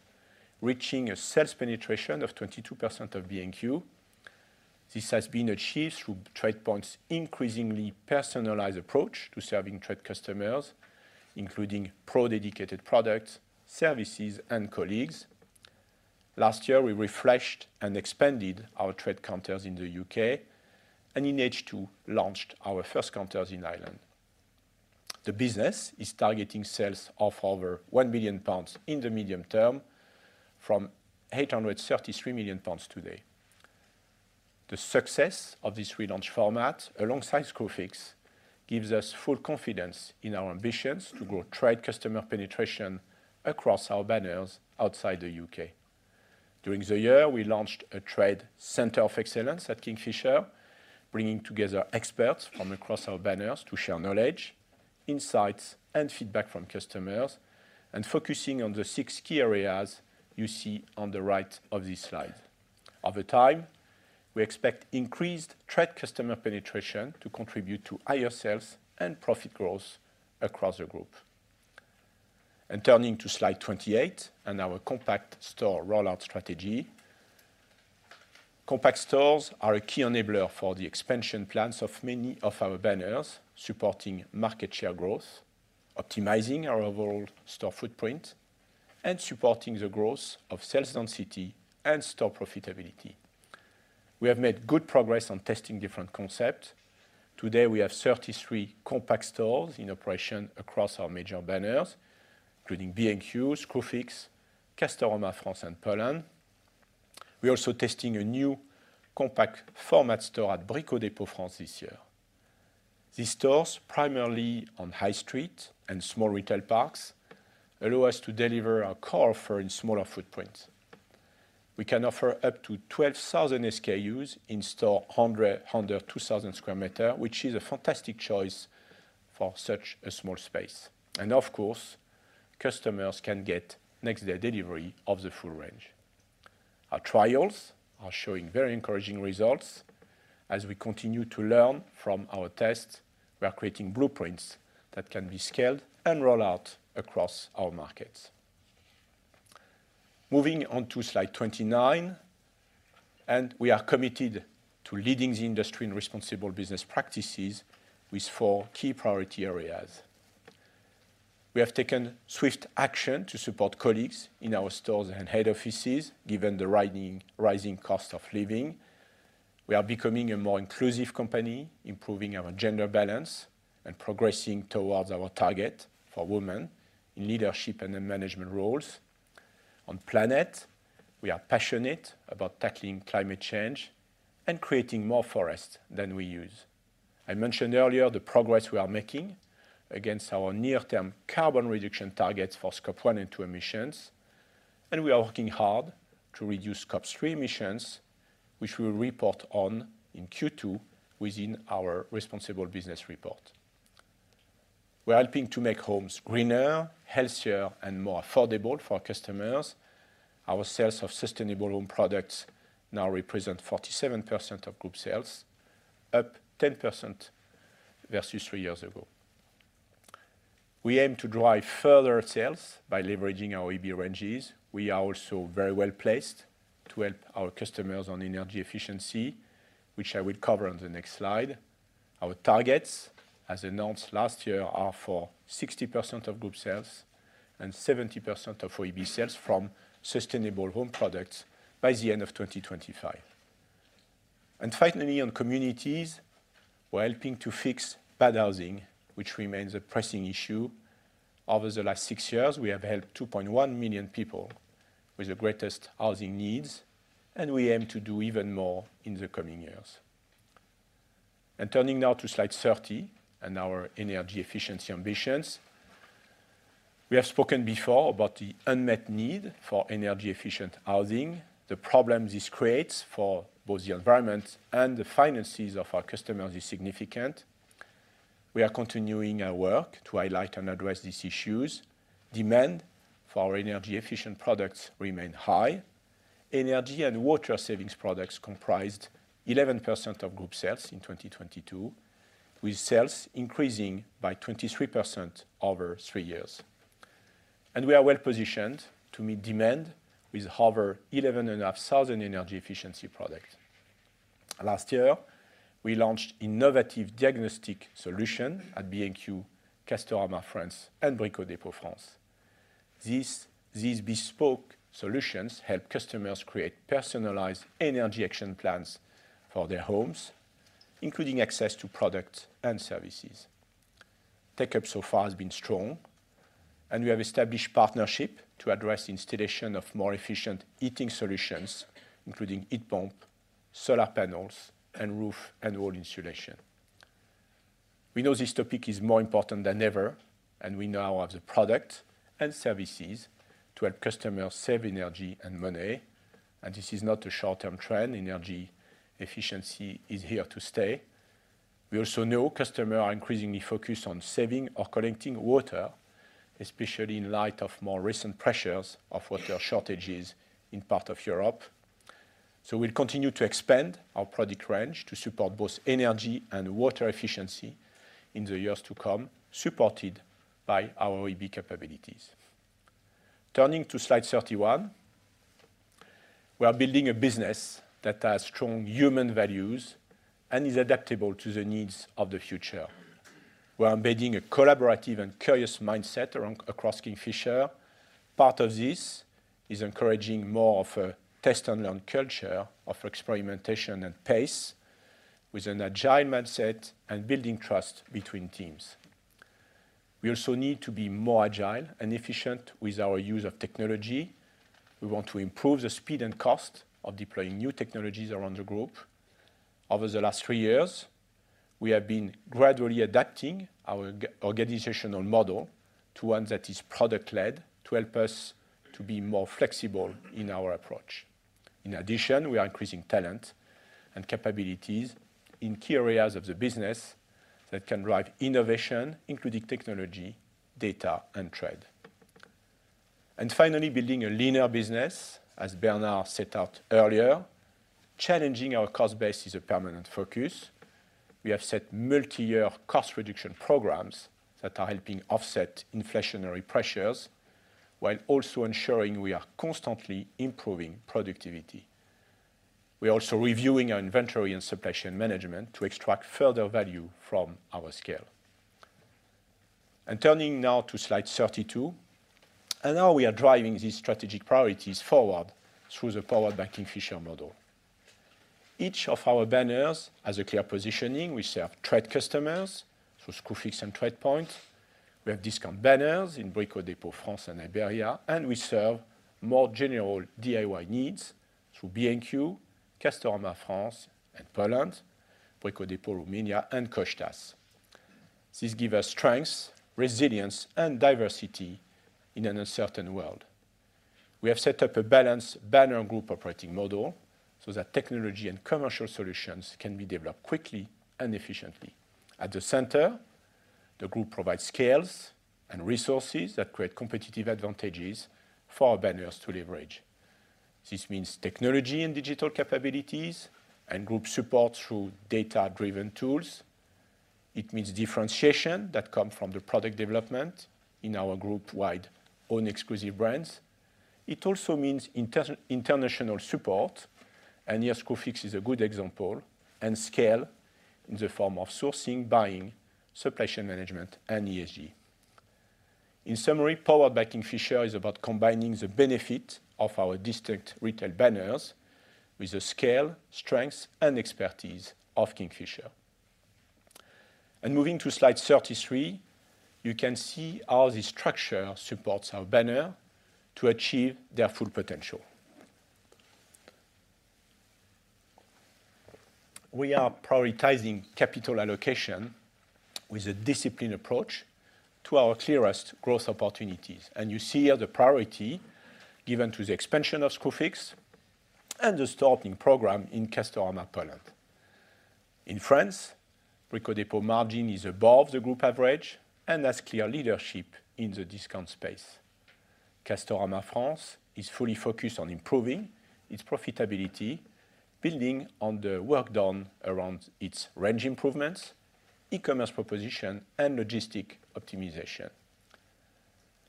reaching a sales penetration of 22% of B&Q. This has been achieved through TradePoint's increasingly personalized approach to serving trade customers, including pro dedicated products, services, and colleagues. Last year, we refreshed and expanded our trade counters in the U.K. and in H2 launched our first counters in Ireland. The business is targeting sales of over 1 billion pounds in the medium term from 833 million pounds today. The success of this relaunch format, alongside Screwfix, gives us full confidence in our ambitions to grow Trade customer penetration across our banners outside the U.K. During the year, we launched a Trade Centre of Excellence at Kingfisher, bringing together experts from across our banners to share knowledge, insights and feedback from customers, focusing on the six key areas you see on the right of this slide. Over time, we expect increased Trade customer penetration to contribute to higher sales and profit growth across the group. Turning to slide 28 and our compact store rollout strategy. Compact stores are a key enabler for the expansion plans of many of our banners, supporting market share growth, optimizing our overall store footprint, and supporting the growth of sales density and store profitability. We have made good progress on testing different concept. Today, we have 33 compact stores in operation across our major banners, including B&Q, Screwfix, Castorama France and Poland. We're also testing a new compact format store at Brico Dépôt France this year. These stores, primarily on high street and small retail parks, allow us to deliver our core offer in smaller footprints. We can offer up to 12,000 SKUs in store 102,000 sq m, which is a fantastic choice for such a small space. Of course, customers can get next-day delivery of the full range. Our trials are showing very encouraging results. As we continue to learn from our tests, we are creating blueprints that can be scaled and roll out across our markets. Moving on to slide 29, we are committed to leading the industry in responsible business practices with four key priority areas. We have taken swift action to support colleagues in our stores and head offices, given the rising cost of living. We are becoming a more inclusive company, improving our gender balance and progressing towards our target for women in leadership and in management roles. On planet, we are passionate about tackling climate change and creating more forest than we use. I mentioned earlier the progress we are making against our near-term carbon reduction targets for Scope 1 and 2 emissions. We are working hard to reduce Scope 3 emissions, which we'll report on in Q2 within our responsible business report. We're helping to make homes greener, healthier, and more affordable for our customers. Our sales of Sustainable Home Products now represent 47% of group sales, up 10% versus three years ago. We aim to drive further sales by leveraging our OEB ranges. We are also very well placed to help our customers on energy efficiency, which I will cover on the next slide. Our targets, as announced last year, are for 60% of group sales and 70% of OEB sales from Sustainable Home Products by the end of 2025. Finally, on communities, we're helping to fix bad housing, which remains a pressing issue. Over the last six years, we have helped 2.1 million people with the greatest housing needs, and we aim to do even more in the coming years. Turning now to slide 30 and our energy efficiency ambitions. We have spoken before about the unmet need for energy-efficient housing. The problem this creates for both the environment and the finances of our customers is significant. We are continuing our work to highlight and address these issues. Demand for our energy-efficient products remain high. Energy and water savings products comprised 11% of group sales in 2022, with sales increasing by 23% over three years. We are well-positioned to meet demand with over 11,500 energy efficiency product. Last year, we launched innovative diagnostic solution at B&Q, Castorama France, and Brico Dépôt France. These bespoke solutions help customers create personalized energy action plans for their homes, including access to product and services. Take-up so far has been strong, and we have established partnership to address installation of more efficient heating solutions, including heat pump, solar panels, and roof and wall insulation. We know this topic is more important than ever, and we now have the product and services to help customers save energy and money. This is not a short-term trend. Energy efficiency is here to stay. We also know customers are increasingly focused on saving or collecting water, especially in light of more recent pressures of water shortages in part of Europe. We'll continue to expand our product range to support both energy and water efficiency in the years to come, supported by our OEB capabilities. Turning to slide 31, we are building a business that has strong human values and is adaptable to the needs of the future. We are embedding a collaborative and curious mindset across Kingfisher. Part of this is encouraging more of a test-and-learn culture of experimentation and pace with an agile mindset and building trust between teams. We also need to be more agile and efficient with our use of technology. We want to improve the speed and cost of deploying new technologies around the group. Over the last three years, we have been gradually adapting our organizational model to one that is product-led to help us to be more flexible in our approach. In addition, we are increasing talent and capabilities in key areas of the business that can drive innovation, including technology, data, and trade. Finally, building a leaner business, as Bernard set out earlier, challenging our cost base is a permanent focus. We have set multi-year cost reduction programs that are helping offset inflationary pressures while also ensuring we are constantly improving productivity. We are also reviewing our inventory and supply chain management to extract further value from our scale. Turning now to slide 32. Now we are driving these strategic priorities forward through the Powered by Kingfisher model. Each of our banners has a clear positioning. We serve trade customers through Screwfix and TradePoint. We have discount banners in Brico Dépôt France and Iberia, and we serve more general DIY needs through B&Q, Castorama France and Poland, Brico Dépôt Romania, and Koçtaş. This give us strength, resilience, and diversity in an uncertain world. We have set up a balanced banner group operating model so that technology and commercial solutions can be developed quickly and efficiently. At the center, the group provides scales and resources that create competitive advantages for our banners to leverage. This means technology and digital capabilities and group support through data-driven tools. It means differentiation that come from the product development in our group-wide own exclusive brands. It also means inter-international support, and yes, Screwfix is a good example, and scale in the form of sourcing, buying, supply chain management, and ESG. In summary, Powered by Kingfisher is about combining the benefit of our distinct retail banners with the scale, strengths, and expertise of Kingfisher. Moving to slide 33, you can see how this structure supports our banner to achieve their full potential. We are prioritizing capital allocation with a disciplined approach to our clearest growth opportunities. You see here the priority given to the expansion of Screwfix and the starting program in Castorama Poland. In France, Brico Dépôt margin is above the group average and has clear leadership in the discount space. Castorama France is fully focused on improving its profitability, building on the work done around its range improvements, e-commerce proposition, and logistic optimization.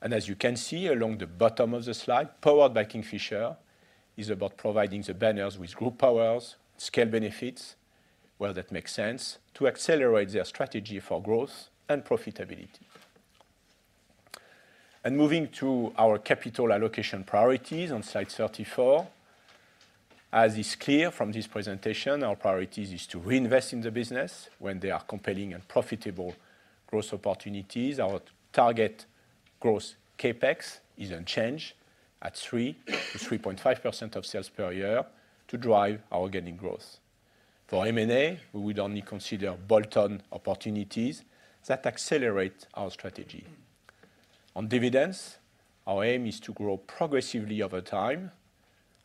As you can see along the bottom of the slide, Powered by Kingfisher is about providing the banners with group powers, scale benefits, where that makes sense, to accelerate their strategy for growth and profitability. Moving to our capital allocation priorities on slide 34. As is clear from this presentation, our priorities is to reinvest in the business when they are compelling and profitable growth opportunities. Our target growth CapEx is unchanged at 3%-3.5% of sales per year to drive our organic growth. For M&A, we would only consider bolt-on opportunities that accelerate our strategy. On dividends, our aim is to grow progressively over time.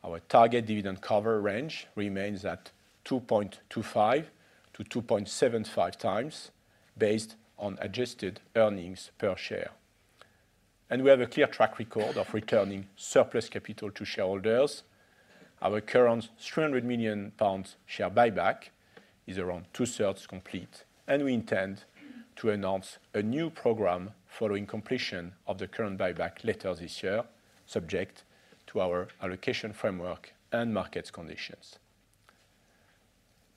Our target dividend cover range remains at 2.25x-2.75x based on adjusted earnings per share. We have a clear track record of returning surplus capital to shareholders. Our current 300 million pounds share buyback is around 2/3 complete. We intend to announce a new program following completion of the current buyback later this year, subject to our allocation framework and market conditions.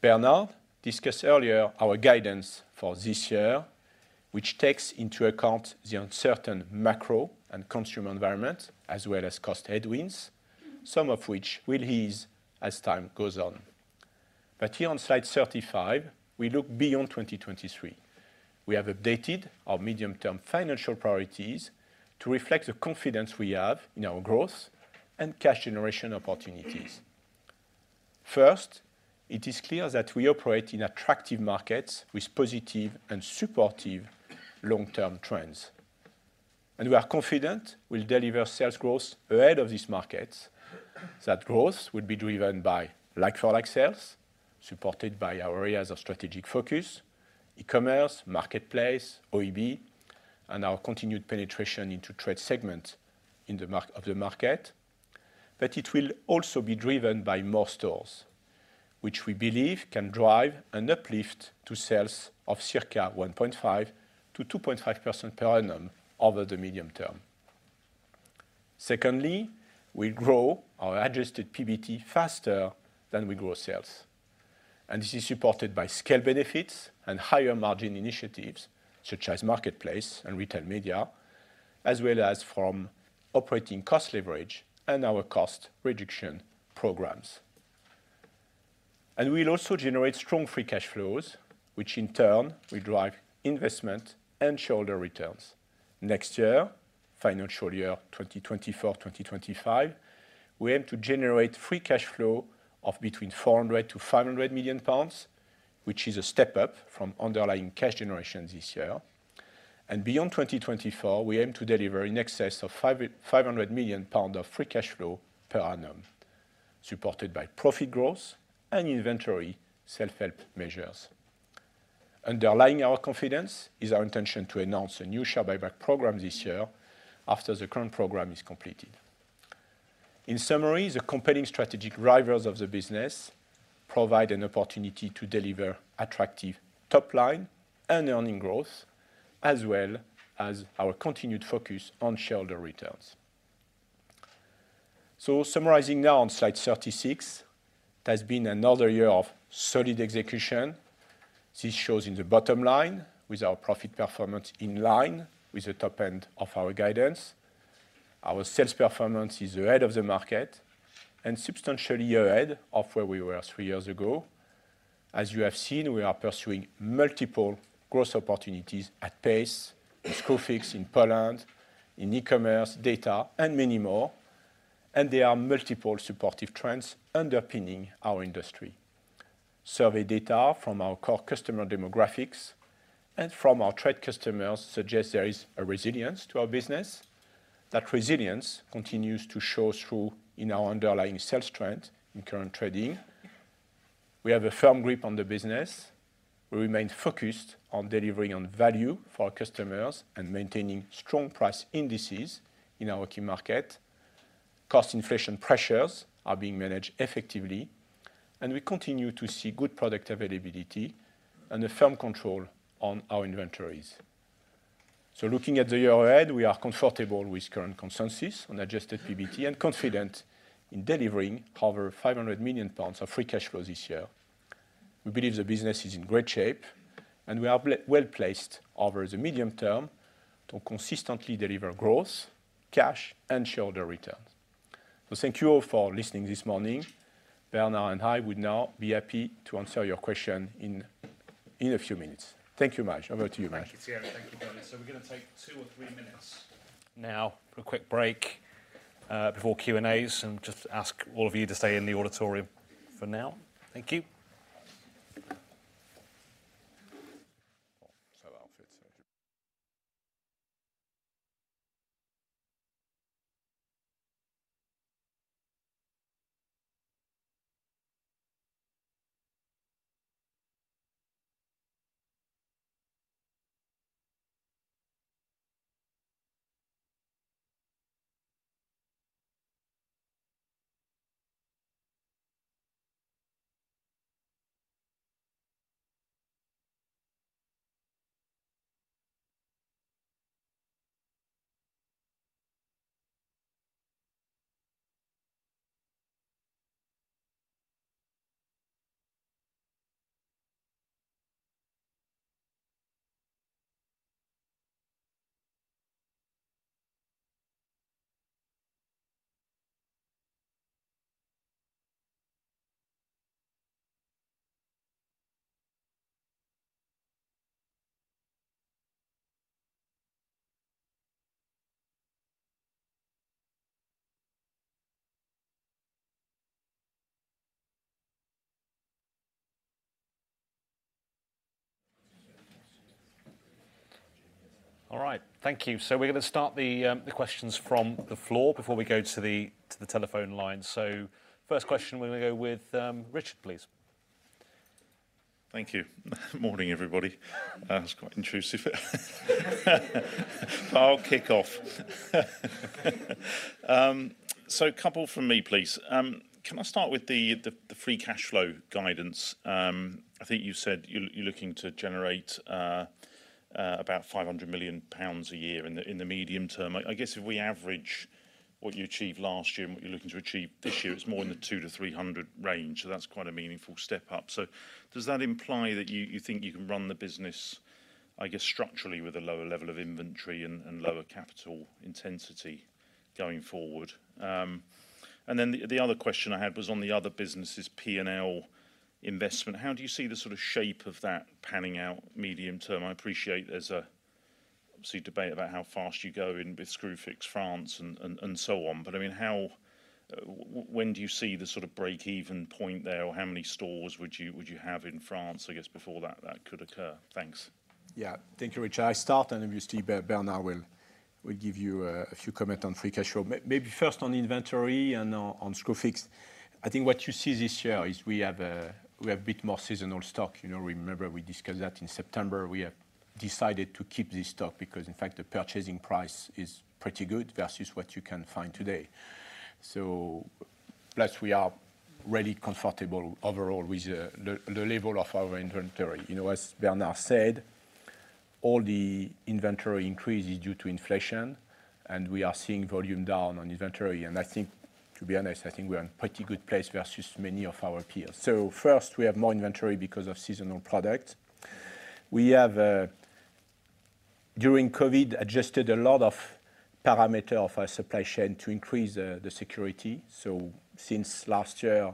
Bernard discussed earlier our guidance for this year, which takes into account the uncertain macro and consumer environment as well as cost headwinds, some of which will ease as time goes on. Here on slide 35, we look beyond 2023. We have updated our medium-term financial priorities to reflect the confidence we have in our growth and cash generation opportunities. First, it is clear that we operate in attractive markets with positive and supportive long-term trends. We are confident we'll deliver sales growth ahead of these markets. That growth will be driven by like-for-like sales, supported by our areas of strategic focus, e-commerce, Marketplace, OEB, and our continued penetration into trade segment of the market. It will also be driven by more stores, which we believe can drive an uplift to sales of circa 1.5%-2.5% per annum over the medium term. Secondly, we'll grow our Adjusted PBT faster than we grow sales, and this is supported by scale benefits and higher margin initiatives such as Marketplace and retail media, as well as from operating cost leverage and our cost reduction programs. We'll also generate strong free cash flows, which in turn will drive investment and shareholder returns. Financial year 2024, 2025, we aim to generate free cash flow of between 400 million-500 million pounds, which is a step up from underlying cash generation this year. Beyond 2024, we aim to deliver in excess of 500 million pound of free cash flow per annum, supported by profit growth and inventory self-help measures. Underlying our confidence is our intention to announce a new share buyback program this year after the current program is completed. In summary, the compelling strategic drivers of the business provide an opportunity to deliver attractive top line and earning growth, as well as our continued focus on shareholder returns. Summarizing now on slide 36, it has been another year of solid execution. This shows in the bottom line with our profit performance in line with the top end of our guidance. Our sales performance is ahead of the market and substantially ahead of where we were three years ago. As you have seen, we are pursuing multiple growth opportunities at pace with Screwfix, in Poland, in e-commerce, data, and many more. There are multiple supportive trends underpinning our industry. Survey data from our core customer demographics and from our trade customers suggest there is a resilience to our business. That resilience continues to show through in our underlying sales trend in current trading. We have a firm grip on the business. We remain focused on delivering on value for our customers and maintaining strong price indices in our key market. Cost inflation pressures are being managed effectively. We continue to see good product availability and a firm control on our inventories. Looking at the year ahead, we are comfortable with current consensus on Adjusted PBT and confident in delivering over 500 million pounds of free cash flow this year. We believe the business is in great shape, and we are well-placed over the medium term to consistently deliver growth, cash, and shareholder returns. Thank you all for listening this morning. Bernard and I would now be happy to answer your question in a few minutes. Thank you, Maj. Over to you, Maj. Thank you, Thierry. Thank you, Bernard. We're gonna take two or three minutes now for a quick break before Q&As, and just ask all of you to stay in the auditorium for now. Thank you. That'll fit. All right. Thank you. We're gonna start the questions from the floor before we go to the telephone line. First question, we're gonna go with Richard, please. Thank you. Morning, everybody. That was quite intrusive. I'll kick off. A couple from me, please. Can I start with the, the free cash flow guidance? I think you said you're looking to generate about 500 million pounds a year in the, in the medium term. I guess if we average what you achieved last year and what you're looking to achieve this year, it's more in the 200 million-300 million range. That's quite a meaningful step up. Does that imply that you think you can run the business, I guess, structurally with a lower level of inventory and lower capital intensity going forward? The, the other question I had was on the other business' P&L investment. How do you see the sort of shape of that panning out medium term? I appreciate there's a, obviously, debate about how fast you go in with Screwfix France and, and so on. I mean, when do you see the sort of break-even point there, or how many stores would you have in France, I guess, before that could occur? Thanks. Thank you, Richard. I start. Obviously Bernard will give you a few comment on free cash flow. Maybe first on inventory and on Screwfix. I think what you see this year is we have a bit more seasonal stock. You know, remember we discussed that in September. We have decided to keep this stock because in fact the purchasing price is pretty good versus what you can find today. Plus, we are really comfortable overall with the level of our inventory. You know, as Bernard said, all the inventory increase is due to inflation, and we are seeing volume down on inventory. I think, to be honest, I think we're in pretty good place versus many of our peers. First, we have more inventory because of seasonal product. We have during COVID adjusted a lot of parameter of our supply chain to increase the security. Since last year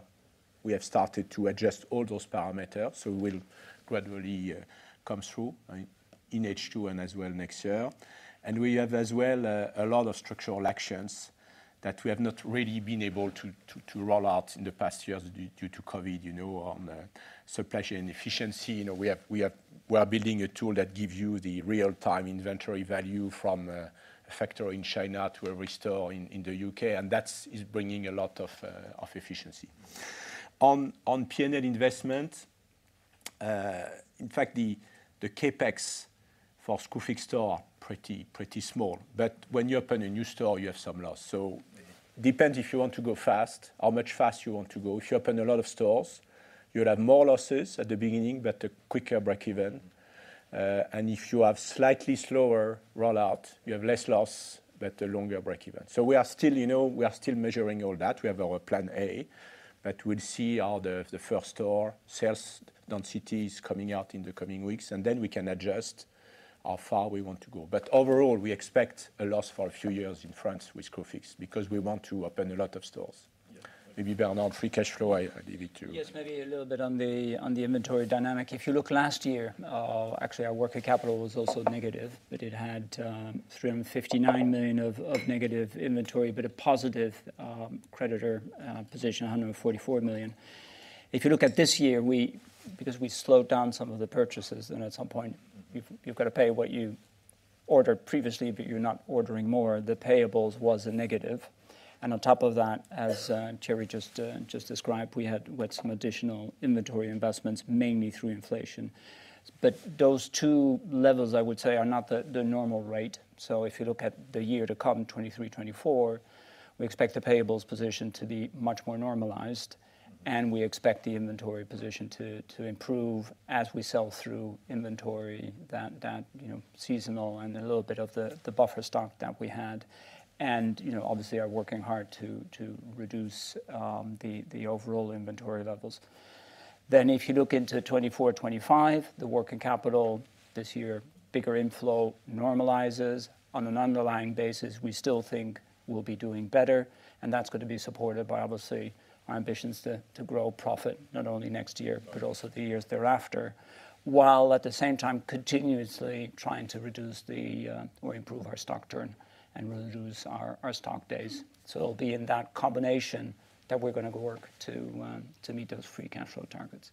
we have started to adjust all those parameters, so we'll gradually come through in H2 and as well next year. We have as well a lot of structural actions that we have not really been able to roll out in the past years due to COVID, you know, on supply chain efficiency. You know, we are building a tool that give you the real time inventory value from a factory in China to a store in the U.K., and that's is bringing a lot of efficiency. On P&L investment, in fact the CapEx for Screwfix store pretty small. When you open a new store, you have some loss. Depends if you want to go fast, how much fast you want to go. If you open a lot of stores, you'll have more losses at the beginning, but a quicker break even. If you have slightly slower rollout, you have less loss, but a longer break even. We are still, you know, we are still measuring all that. We have our plan A, we'll see how the first store sales density is coming out in the coming weeks, and then we can adjust how far we want to go. Overall, we expect a loss for a few years in France with Screwfix because we want to open a lot of stores. Maybe Bernard, free cash flow, I leave it to you. Yes. Maybe a little bit on the inventory dynamic. If you look last year, actually our working capital was also negative, but it had 359 million of negative inventory, but a positive creditor position, 144 million. If you look at this year, because we slowed down some of the purchases, at some point you've gotta pay what you ordered previously, but you're not ordering more, the payables was a negative. On top of that, as Thierry just described, we had some additional inventory investments, mainly through inflation. Those two levels, I would say, are not the normal rate. If you look at the year to come, 2023, 2024, we expect the payables position to be much more normalized, and we expect the inventory position to improve as we sell through inventory that, you know, seasonal and a little bit of the buffer stock that we had. You know, obviously are working hard to reduce the overall inventory levels. If you look into 2024, 2025, the working capital this year, bigger inflow normalizes. On an underlying basis, we still think we'll be doing better, and that's gonna be supported by obviously our ambitions to grow profit not only next year but also the years thereafter, while at the same time continuously trying to reduce the or improve our stock turn and reduce our stock days. It'll be in that combination that we're gonna work to meet those free cash flow targets.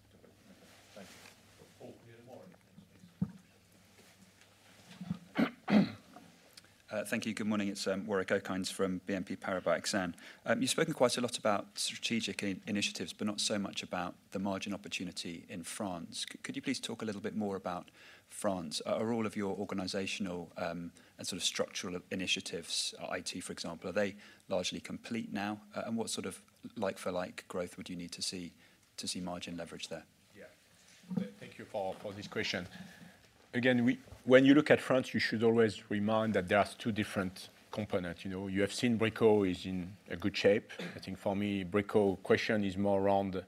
Thank you. Can we have Warwick next please? Thank you. Good morning. It's, Warwick Okines from BNP Paribas Exane. You've spoken quite a lot about strategic initiatives, but not so much about the margin opportunity in France. Could you please talk a little bit more about France? Are all of your organizational, and sort of structural initiatives, IT for example, are they largely complete now? What sort of like-for-like growth would you need to see to see margin leverage there? Thank you, Paul, for this question. Again, when you look at France, you should always remind that there are two different components. You know, you have seen Brico is in a good shape. I think for me, Brico question is more around,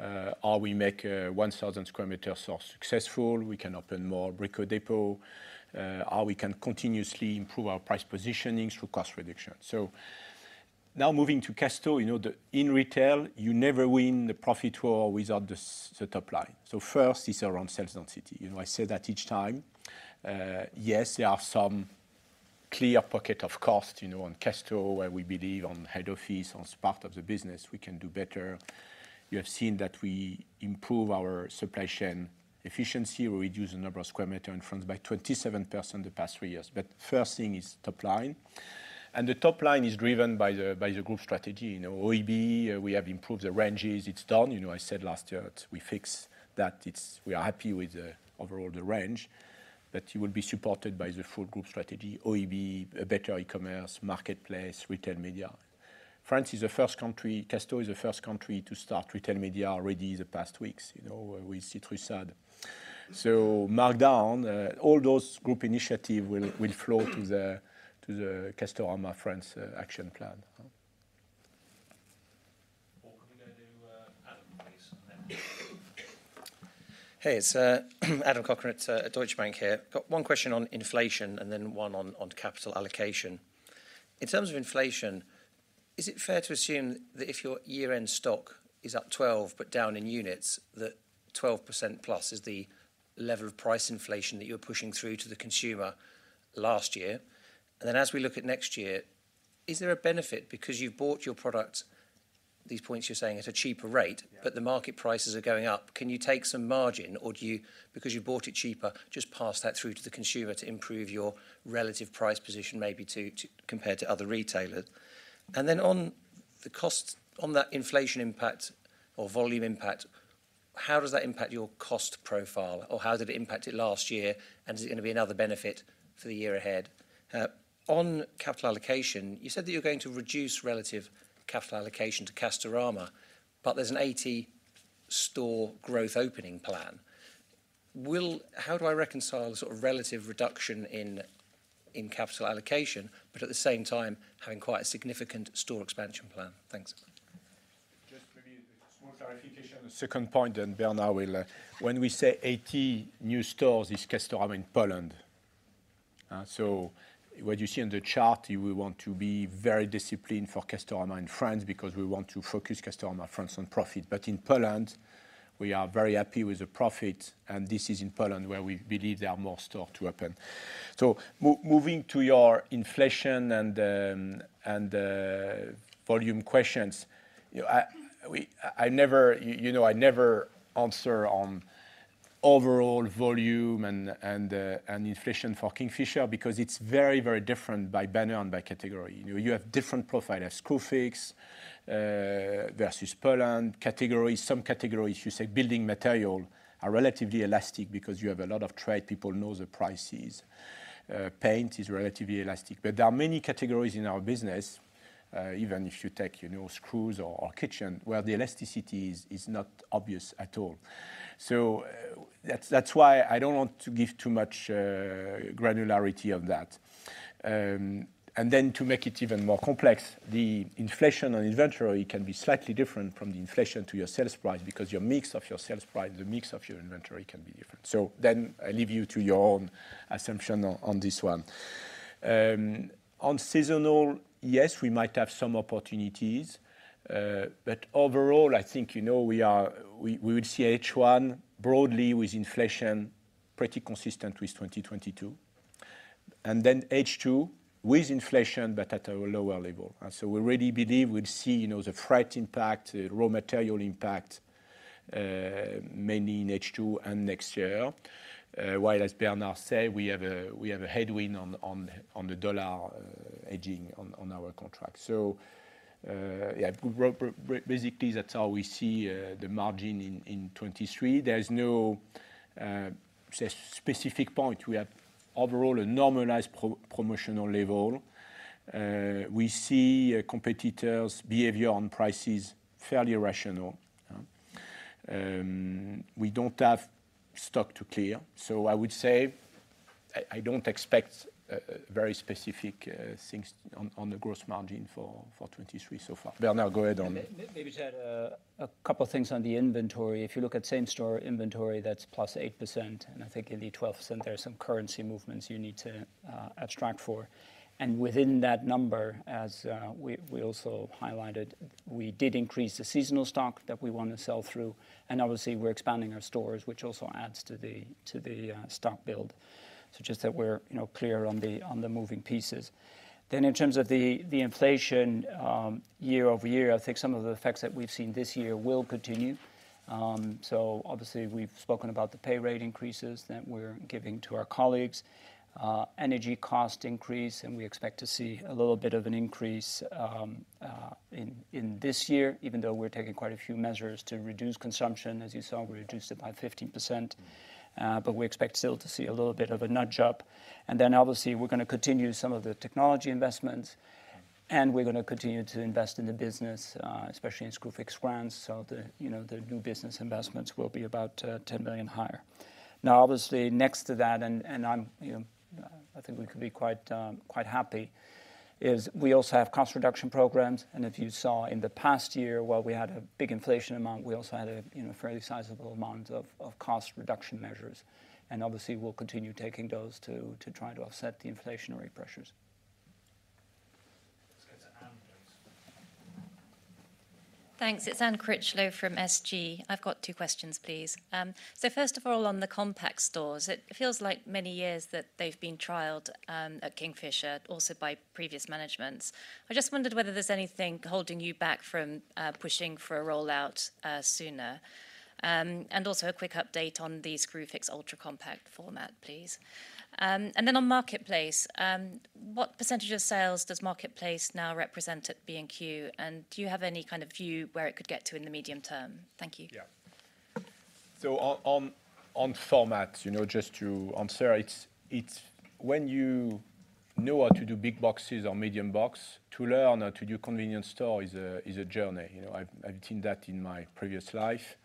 are we make, 1,000 square meters are successful? We can open more Brico Dépôt. How we can continuously improve our price positioning through cost reduction. Now moving to Casto. You know, in retail, you never win the profit war without the top line. First is around sales density. You know, I say that each time. Yes, there are some clear pocket of cost, you know, on Casto where we believe on head office, on part of the business we can do better. You have seen that we improve our supply chain efficiency. We reduce the number of square meter in France by 27% the past three years. First thing is top line. The top line is driven by the group strategy. You know, OEB, we have improved the ranges. It's done. You know, I said last year we fix that. We are happy with the overall the range that you will be supported by the full group strategy, OEB, a better e-commerce, Marketplace, retail media. France is the first country, Casto is the first country to start retail media already the past weeks. You know, with. Markdown, all those group initiative will flow to the Castorama France action plan. Can we go to Adam, please next? Hey, it's Adam Cochrane at Deutsche Bank here. Got one question on inflation and then one on capital allocation. In terms of inflation, is it fair to assume that if your year-end stock is up 12 but down in units, that 12%+ is the level of price inflation that you're pushing through to the consumer last year? As we look at next year, is there a benefit because you've bought your product, these points you're saying, at a cheaper rate but the market prices are going up. Can you take some margin or do you, because you bought it cheaper, just pass that through to the consumer to improve your relative price position maybe to, compared to other retailers? On the cost, on that inflation impact or volume impact, how does that impact your cost profile or how did it impact it last year, and is it gonna be another benefit for the year ahead? On capital allocation, you said that you're going to reduce relative capital allocation to Castorama, but there's an 80 store growth opening plan. How do I reconcile the sort of relative reduction in capital allocation, but at the same time having quite a significant store expansion plan? Thanks. Just maybe a small clarification on the second point, then Bernard will. When we say 80 new stores, it's Castorama Poland. So what you see on the chart, we want to be very disciplined for Castorama France because we want to focus Castorama France on profit. In Poland, we are very happy with the profit, and this is in Poland where we believe there are more store to open. Moving to your inflation and volume questions. You know, I never, you know, I never answer on overall volume and inflation for Kingfisher because it's very, very different by banner and by category. You know, you have different profile. At Screwfix versus Poland categories. Some categories, if you say building material, are relatively elastic because you have a lot of trade people know the prices. Paint is relatively elastic. There are many categories in our business, even if you take, you know, screws or kitchen, where the elasticity is not obvious at all. That's why I don't want to give too much granularity of that. To make it even more complex, the inflation on inventory can be slightly different from the inflation to your sales price because your mix of your sales price, the mix of your inventory can be different. I leave you to your own assumption on this one. On seasonal, yes, we might have some opportunities. Overall I think, you know, we will see H1 broadly with inflation pretty consistent with 2022. H2 with inflation, but at a lower level. We already believe we'll see, you know, the freight impact, the raw material impact, mainly in H2 and next year. While as Bernard said, we have a headwind on the dollar hedging on our contract. Basically that's how we see the margin in 23. There's no say specific point. We have overall a normalized pro-promotional level. We see competitors' behavior on prices fairly rational. We don't have stock to clear. I would say I don't expect very specific things on the gross margin for 23 so far. Bernard, go ahead on that. Maybe to add a couple things on the inventory. If you look at same store inventory, that's +8%, I think in the 12% there are some currency movements you need to abstract for. Within that number as we also highlighted, we did increase the seasonal stock that we wanna sell through. Obviously we're expanding our stores, which also adds to the stock build. Just that we're, you know, clear on the moving pieces. In terms of the inflation year-over-year, I think some of the effects that we've seen this year will continue. Obviously we've spoken about the pay rate increases that we're giving to our colleagues. energy cost increase. We expect to see a little bit of an increase in this year, even though we're taking quite a few measures to reduce consumption. As you saw, we reduced it by 15%. We expect still to see a little bit of a nudge up. Obviously we're gonna continue some of the technology investments, and we're gonna continue to invest in the business, especially in Screwfix France. The, you know, the new business investments will be about 10 million higher. Obviously next to that and I'm, you know, I think we could be quite happy, is we also have cost reduction programs. If you saw in the past year, while we had a big inflation amount, we also had a, you know, fairly sizable amount of cost reduction measures. Obviously we'll continue taking those to try to offset the inflationary pressures. Let's go to Anne, please. Thanks. It's Anne Critchlow from SG. I've got two questions, please. First of all, on the compact stores, it feels like many years that they've been trialed at Kingfisher also by previous managements. I just wondered whether there's anything holding you back from pushing for a rollout sooner. Also a quick update on the Screwfix ultra compact format, please. Then on Marketplace, what % of sales does Marketplace now represent at B&Q, and do you have any kind of view where it could get to in the medium term? Thank you. Yeah. On format, you know, just to answer, it's when you know how to do big boxes or medium box, to learn how to do convenience store is a journey. You know, I've seen that in my previous life.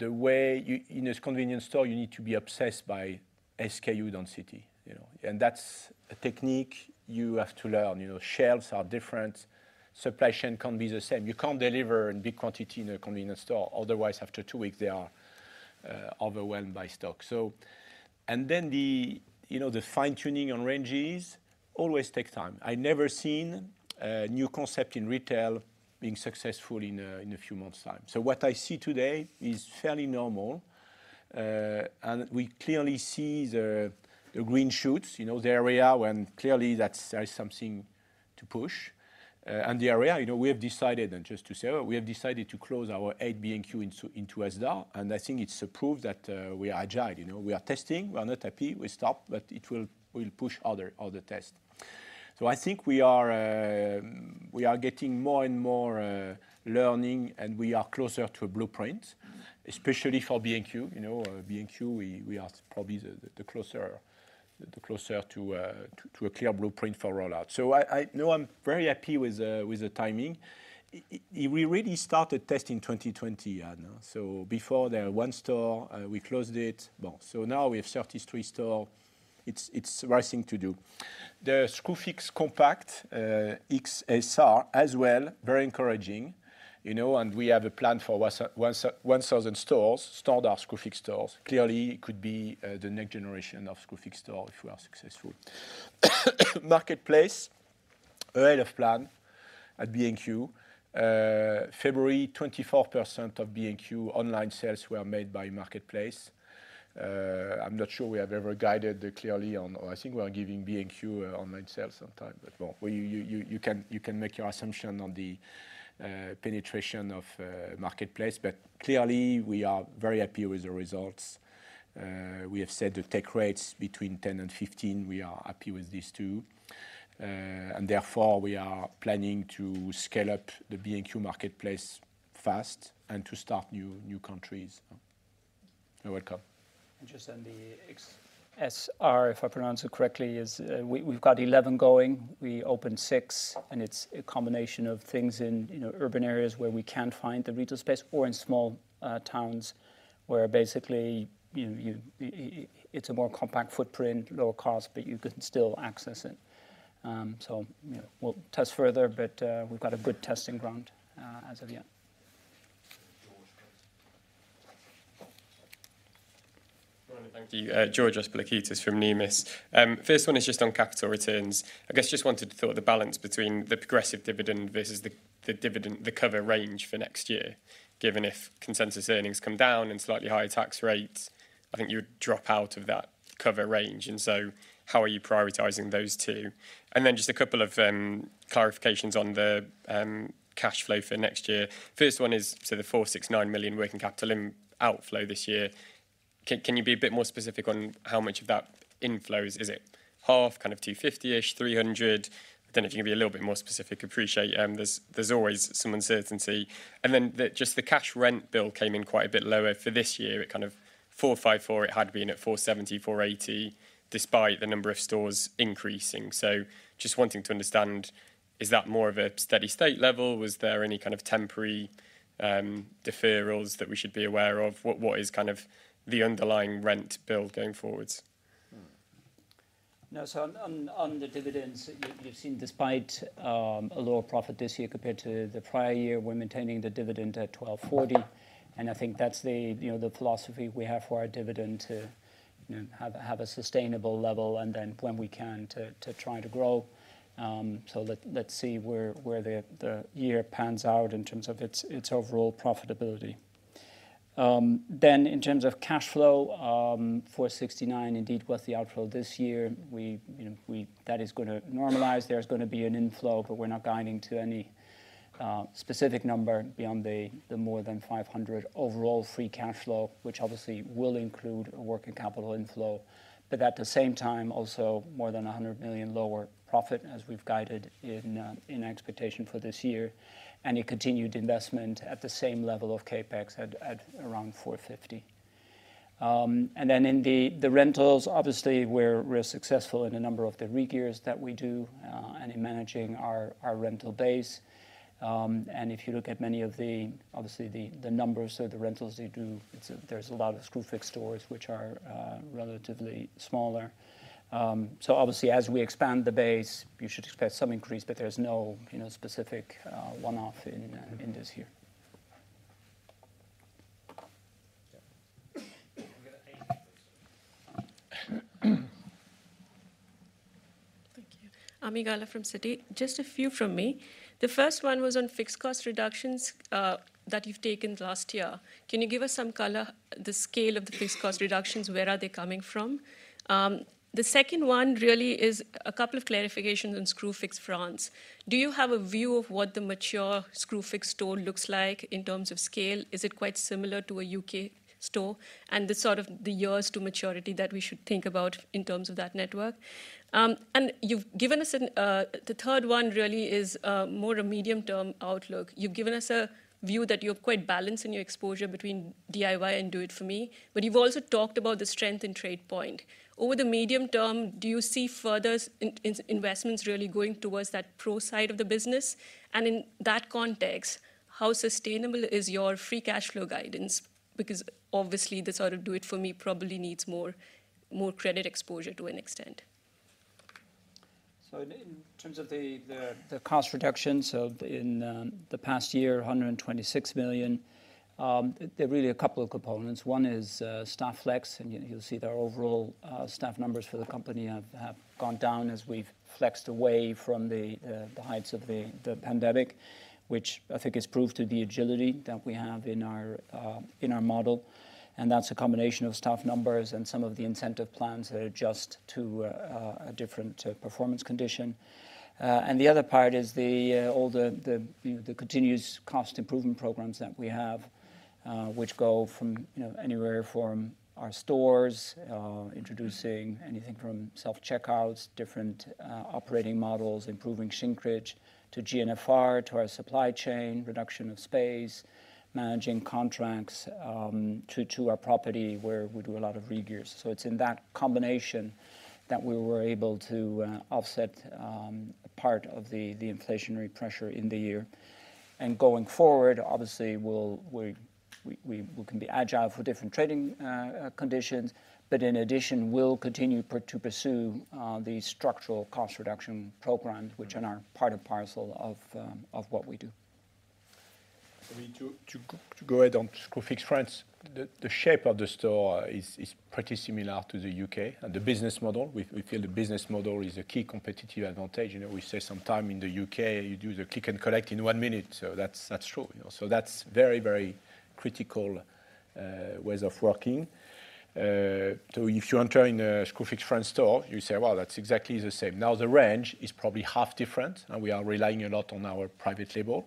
In a convenience store, you need to be obsessed by SKU density, you know. That's a technique you have to learn. You know, shelves are different, supply chain can't be the same. You can't deliver in big quantity in a convenience store. Otherwise after two weeks they are overwhelmed by stock. Then the, you know, the fine-tuning on ranges always take time. I never seen a new concept in retail being successful in a few months' time. What I see today is fairly normal. We clearly see the green shoots, you know, the area when clearly that's, there's something to push. The area, you know, we have decided, and just to say, we have decided to close our eighth B&Q into Asda. I think it's a proof that, we are agile. You know, we are testing, we are not happy, we stop, but it will push other test. I think we are getting more and more learning and we are closer to a blueprint, especially for B&Q. You know, B&Q, we are probably the closer to a clear blueprint for rollout. No, I'm very happy with the timing. We really started testing 2020, Anne. Before there are one store, we closed it. Now we have 33 storeIt's, it's the right thing to do. The Screwfix Compact XSR as well, very encouraging, you know, and we have a plan for once 1,000 stores, standard Screwfix stores. Clearly it could be the next generation of Screwfix store if we are successful. Marketplace, ahead of plan at B&Q. February, 24% of B&Q online sales were made by Marketplace. I'm not sure we have ever guided clearly on, or I think we are giving B&Q online sales sometime, no. You can make your assumption on the penetration of Marketplace, clearly we are very happy with the results. We have said the take rates between 10 and 15, we are happy with these two. Therefore, we are planning to scale up the B&Q Marketplace fast and to start new countries. You're welcome. Just on the XSR, if I pronounce it correctly, is, we've got 11 going. We opened six, and it's a combination of things in, you know, urban areas where we can't find the retail space or in small towns where basically, you know, it's a more compact footprint, lower cost, but you can still access it. You know, we'll test further, but we've got a good testing ground as of yet. George Good morning. Thank you. George Pilakoutas from Numis. First one is just on capital returns. I guess just wanted to thought the balance between the progressive dividend versus the dividend, the cover range for next year, given if consensus earnings come down and slightly higher tax rates, I think you would drop out of that cover range. How are you prioritizing those two? Just a couple of clarifications on the cash flow for next year. First one is, the 469 million working capital in outflow this year. Can you be a bit more specific on how much of that inflow? Is it half, kind of 250-ish, 300? I don't know if you can be a little bit more specific. Appreciate, there's always some uncertainty. The cash rent bill came in quite a bit lower for this year. It kind of 454, it had been at 470, 480, despite the number of stores increasing. Just wanting to understand, is that more of a steady state level? Was there any kind of temporary deferrals that we should be aware of? What is kind of the underlying rent bill going forwards? No. On the dividends, you've seen despite a lower profit this year compared to the prior year, we're maintaining the dividend at 12.40. I think that's the, you know, the philosophy we have for our dividend to, you know, have a sustainable level and then when we can to try to grow. Let's see where the year pans out in terms of its overall profitability. In terms of cash flow, 469 indeed was the outflow this year. You know, that is gonna normalize. There's gonna be an inflow, we're not guiding to any specific number beyond the more than 500 overall free cash flow, which obviously will include a working capital inflow. At the same time, also more than 100 million lower profit, as we've guided in expectation for this year, and a continued investment at the same level of CapEx at around 450 million. In the rentals, obviously we're successful in a number of the regears that we do, and in managing our rental base. If you look at many of the, obviously the numbers of the rentals you do, it's, there's a lot of Screwfix stores which are relatively smaller. Obviously as we expand the base, you should expect some increase, but there's no, you know, specific one-off in this year. Yeah. We'll get Ami first. Thank you. Ami Galla from Citi. Just a few from me. The first one was on fixed cost reductions, that you've taken last year. Can you give us some color, the scale of the fixed cost reductions? Where are they coming from? The second one really is a couple of clarifications on Screwfix France. Do you have a view of what the mature Screwfix store looks like in terms of scale? Is it quite similar to a UK store? The sort of the years to maturity that we should think about in terms of that network. The third one really is more a medium-term outlook. You've given us a view that you're quite balanced in your exposure between DIY and Do It For Me, but you've also talked about the strength in TradePoint. Over the medium term, do you see further investments really going towards that pro side of the business? In that context, how sustainable is your free cash flow guidance? Because obviously the sort of Do It For Me probably needs more credit exposure to an extent. In terms of the cost reductions. In the past year, 126 million, there are really a couple of components. One is staff flex, and you'll see the overall staff numbers for the company have gone down as we've flexed away from the heights of the pandemic, which I think is proof to the agility that we have in our model, and that's a combination of staff numbers and some of the incentive plans that adjust to a different performance condition. The other part is the, all the, you know, the continuous cost improvement programs that we have, which go from, you know, anywhere from our stores, introducing anything from self-checkouts, different operating models, improving shrinkage to GNFR, to our supply chain, reduction of space, managing contracts, to our property, where we do a lot of regears. It's in that combination that we were able to offset part of the inflationary pressure in the year. Going forward, obviously we'll, we can be agile for different trading conditions, but in addition, we'll continue to pursue the structural cost reduction programs which are now part and parcel of what we do. I mean, to go ahead on Screwfix France, the shape of the store is pretty similar to the U.K. The business model, we feel the business model is a key competitive advantage. You know, we say sometime in the U.K. you do the click and collect in one minute, so that's true. You know, that's very critical ways of working. If you enter in a Screwfix France store, you say, "Well, that's exactly the same." Now, the range is probably half different, and we are relying a lot on our private label.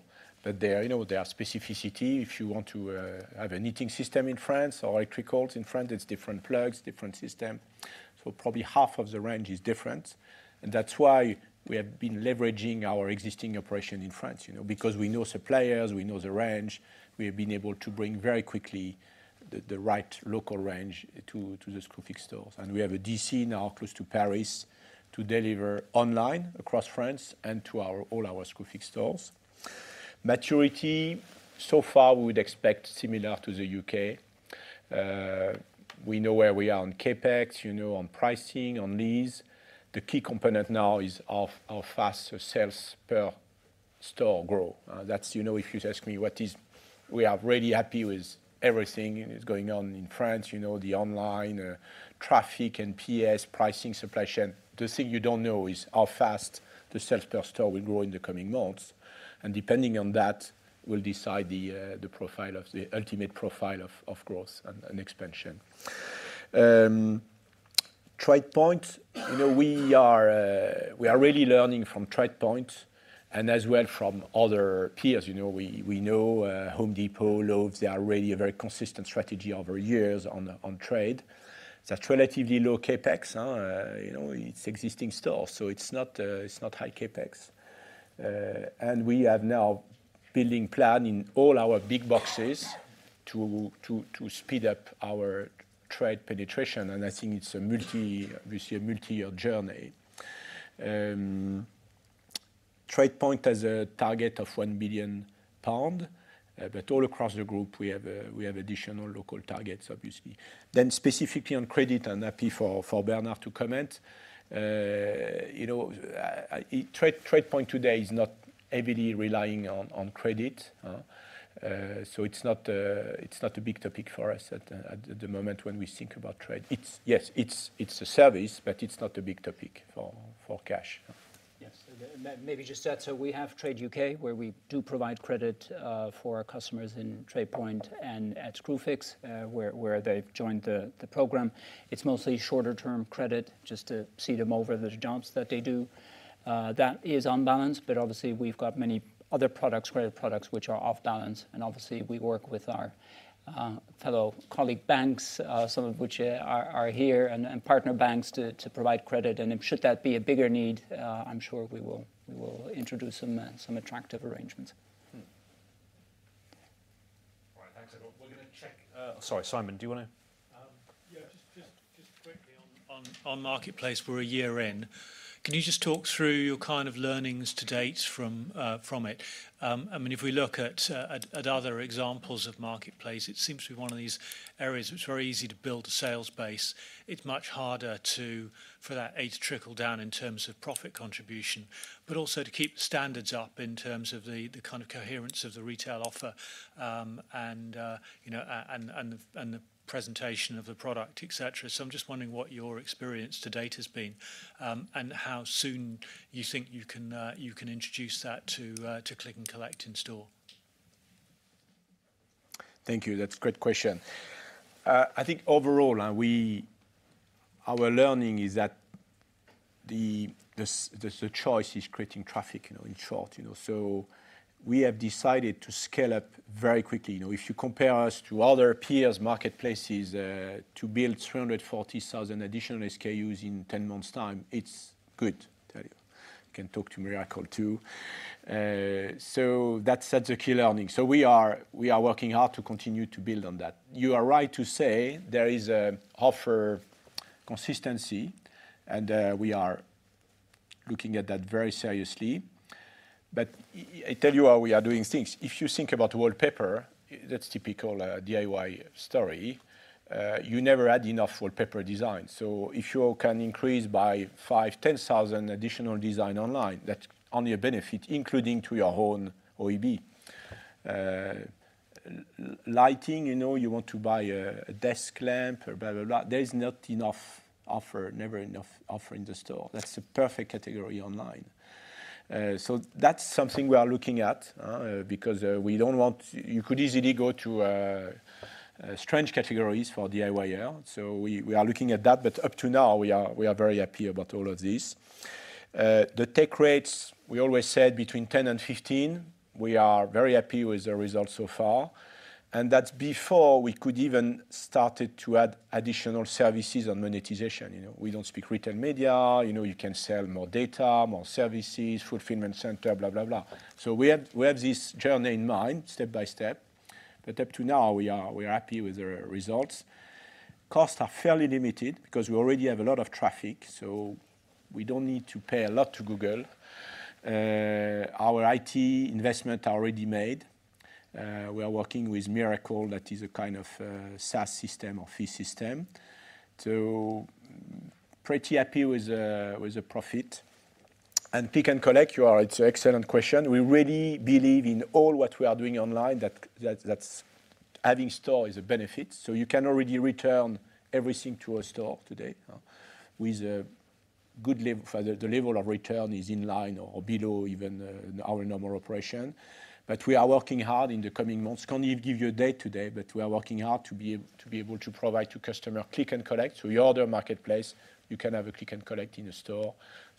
There, you know, there are specificity. If you want to have a heating system in France or electricals in France, it's different plugs, different system. Probably half of the range is different. That's why we have been leveraging our existing operation in France, you know. We know suppliers, we know the range, we have been able to bring very quickly the right local range to the Screwfix stores. We have a DC now close to Paris to deliver online across France and to all our Screwfix stores. Maturity, so far we would expect similar to the U.K.. We know where we are on CapEx, you know, on pricing, on lease. The key component now is of how fast the sales per store grow. That's, you know, if you ask me, we are really happy with everything is going on in France, you know, the online traffic, NPS, pricing, supply chain. The thing you don't know is how fast the sales per store will grow in the coming months. Depending on that, we'll decide the ultimate profile of growth and expansion. TradePoint, you know, we are really learning from TradePoint and as well from other peers. You know, we know The Home Depot, Lowe's, they are really a very consistent strategy over years on trade. It's a relatively low CapEx, huh? You know, it's existing stores, so it's not high CapEx. We have now building plan in all our big boxes to speed up our trade penetration, and I think it's obviously a multi-year journey. TradePoint has a target of 1 million pound, all across the group we have additional local targets obviously. Specifically on credit, I'm happy for Bernard to comment. You know, TradePoint today is not heavily relying on credit, huh? It's not a big topic for us at the moment when we think about trade. It's. Yes, it's a service, but it's not a big topic for cash. Yes. Maybe just that, we have Trade UK, where we do provide credit, for our customers in TradePoint and at Screwfix, where they've joined the program. It's mostly shorter term credit, just to see them over the jobs that they do. That is on balance, but obviously we've got many other products, credit products, which are off balance, and obviously we work with our fellow colleague banks, some of which are here and partner banks to provide credit. If should that be a bigger need, I'm sure we will introduce some attractive arrangements. All right. Thanks, everyone. We're gonna check. Sorry. Simon, do you wanna? Yeah. Just quickly on Marketplace, we're a year in. Can you just talk through your kind of learnings to date from it? I mean, if we look at other examples of Marketplace, it seems to be one of these areas which are very easy to build a sales base. It's much harder for that A to trickle down in terms of profit contribution, but also to keep the standards up in terms of the kind of coherence of the retail offer, and, you know, and the presentation of the product, et cetera. I'm just wondering what your experience to date has been, and how soon you think you can introduce that to click and collect in store. Thank you. That's a great question. I think overall, our learning is that the choice is creating traffic, you know, in short, you know. We have decided to scale up very quickly. You know, if you compare us to other peers, marketplaces, to build 340,000 additional SKUs in 10 months' time, it's good. I tell you. You can talk to Mirakl too. That's a key learning. We are working hard to continue to build on that. You are right to say there is a offer consistency, and we are looking at that very seriously. I tell you how we are doing things. If you think about wallpaper, that's typical DIY story. You never add enough wallpaper design. If you can increase by five, 10 thousand additional design online, that's only a benefit, including to your own OEB. Lighting, you know, you want to buy a desk lamp or blah, blah. There is not enough offer, never enough offer in the store. That's a perfect category online. That's something we are looking at because we don't want. You could easily go to strange categories for DIYer. We are looking at that, but up to now we are very happy about all of this. The take rates, we always said between 10 and 15. We are very happy with the results so far. That's before we could even started to add additional services on monetization, you know. We don't speak retail media. You know, you can sell more data, more services, fulfillment center, blah, blah. We have this journey in mind step by step, but up to now we are happy with the results. Costs are fairly limited because we already have a lot of traffic. We don't need to pay a lot to Google. Our IT investment already made. We are working with Mirakl, that is a kind of SaaS system or fee system. Pretty happy with the profit. Pick and collect. It's an excellent question. We really believe in all what we are doing online, that's adding store is a benefit. You can already return everything to a store today. The level of return is in line or below even our normal operation. We are working hard in the coming months. Can't give you a date today, but we are working hard to be able to provide to customer click and collect. You order Marketplace, you can have a click and collect in the store.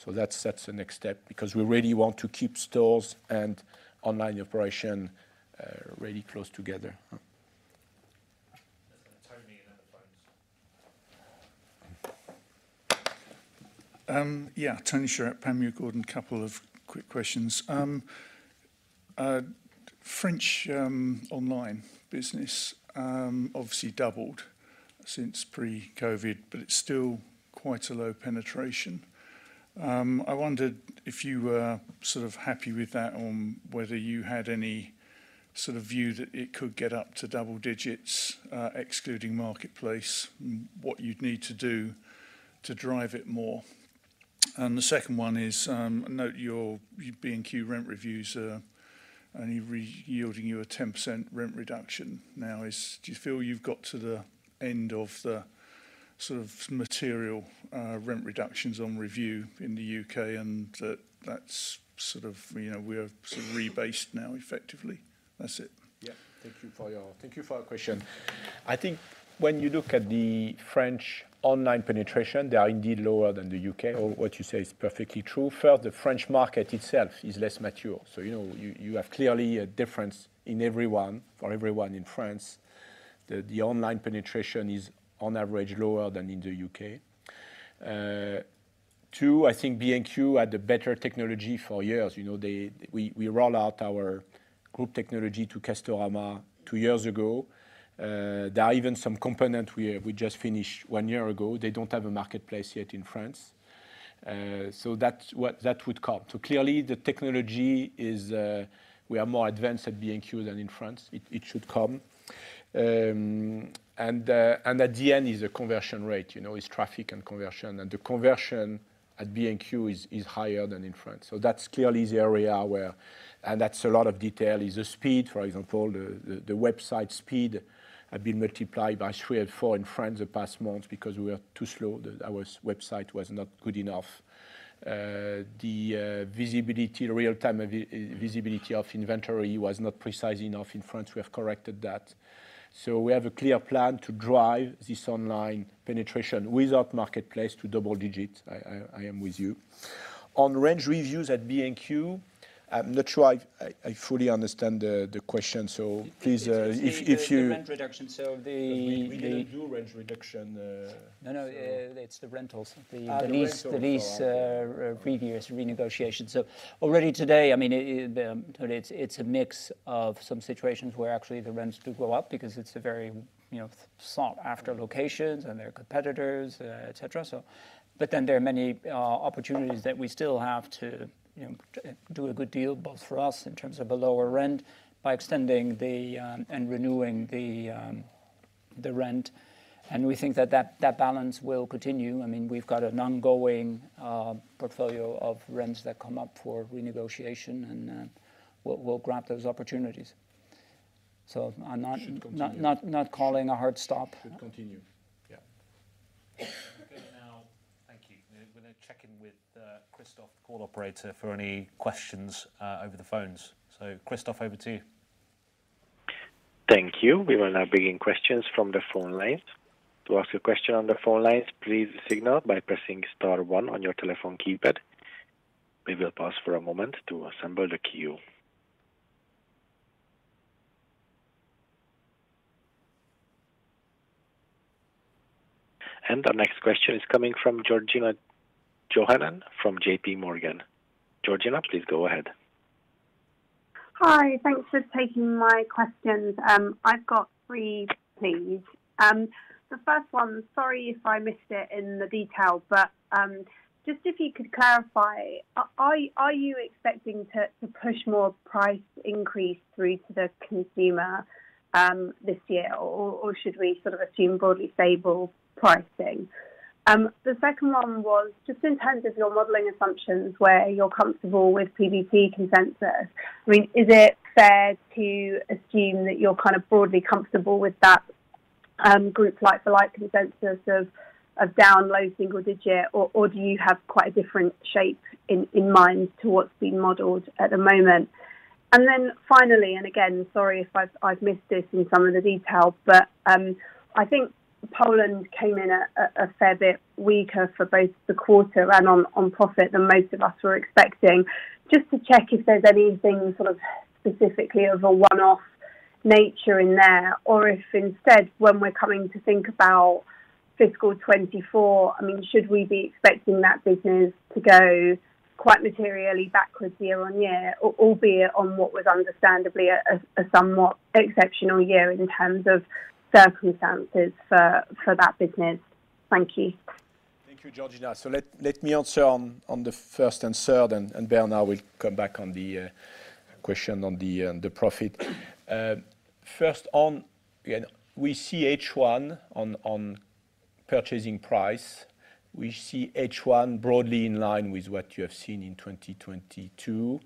That's the next step because we really want to keep stores and online operation really close together. Tony and then the phones. Yeah. Tony Shiret, Panmure Gordon. Couple of quick questions. French online business obviously doubled since pre-COVID, but it's still quite a low penetration. I wondered if you were sort of happy with that or whether you had any sort of view that it could get up to double digits, excluding Marketplace, what you'd need to do to drive it more. The second one is, note your B&Q rent reviews are only re-yielding you a 10% rent reduction now. Do you feel you've got to the end of the sort of material rent reductions on review in the U.K. and that that's sort of, you know, we're sort of rebased now, effectively? That's it. Yeah. Thank you for your, thank you for your question. I think when you look at the French online penetration, they are indeed lower than the U.K., or what you say is perfectly true. First, the French market itself is less mature. You know, you have clearly a difference for everyone in France. The online penetration is on average lower than in the U.K.. Two, I think B&Q had the better technology for years. You know, We roll out our group technology to Castorama two years ago. There are even some component we just finished one year ago. They don't have a Marketplace yet in France. That would come. Clearly the technology is, we are more advanced at B&Q than in France. It should come. At the end is the conversion rate. You know, it's traffic and conversion, and the conversion at B&Q is higher than in France. That's clearly the area where. That's a lot of detail, is the speed, for example. The website speed had been multiplied by three or four in France the past month because we were too slow. Our website was not good enough. The visibility, real-time visibility of inventory was not precise enough in France. We have corrected that. We have a clear plan to drive this online penetration without marketplace to double-digit. I am with you. On rent reviews at B&Q, I'm not sure I fully understand the question. Please. The rent reduction. We didn't do rent reduction. No, no. It's the rentals. The rentals. Okay. The lease previous renegotiation. Already today, I mean, it's a mix of some situations where actually the rents do go up because it's a very, you know, sought after locations and their competitors, et cetera. There are many opportunities that we still have to, you know, do a good deal, both for us in terms of a lower rent by extending the and renewing the rent. We think that balance will continue. I mean, we've got an ongoing portfolio of rents that come up for renegotiation, and we'll grab those opportunities. I'm not calling a hard stop. Should continue. Yeah. We're good now. Thank you. We're gonna check in with Christoph, the call operator, for any questions over the phones. Christoph, over to you. Thank you. We will now bring in questions from the phone lines. To ask a question on the phone lines, please signal by pressing star one on your telephone keypad. We will pause for a moment to assemble the queue. Our next question is coming from Georgina Johanan from JPMorgan. Georgina, please go ahead. Hi. Thanks for taking my questions. I've got three please. The first one, sorry if I missed it in the details, but just if you could clarify, are you expecting to push more price increase through to the consumer this year? Or, should we sort of assume broadly stable pricing? The second one was just in terms of your modeling assumptions where you're comfortable with PBT consensus, I mean, is it fair to assume that you're kind of broadly comfortable with that group, like the consensus of down low single-digit? Or, do you have quite a different shape in mind to what's being modeled at the moment? Finally, again, sorry if I've missed this in some of the details, but I think Poland came in a fair bit weaker for both the quarter and on profit than most of us were expecting. Just to check if there's anything sort of specifically of a one-off nature in there, or if instead, when we're coming to think about fiscal 2024, I mean, should we be expecting that business to go quite materially backwards year on year, or albeit on what was understandably a somewhat exceptional year in terms of circumstances for that business. Thank you. Thank you, Georgina. Let me answer on the first and third, and Bernard will come back on the question on the profit. First on, you know, we see H1 on purchasing price. We see H1 broadly in line with what you have seen in 2022,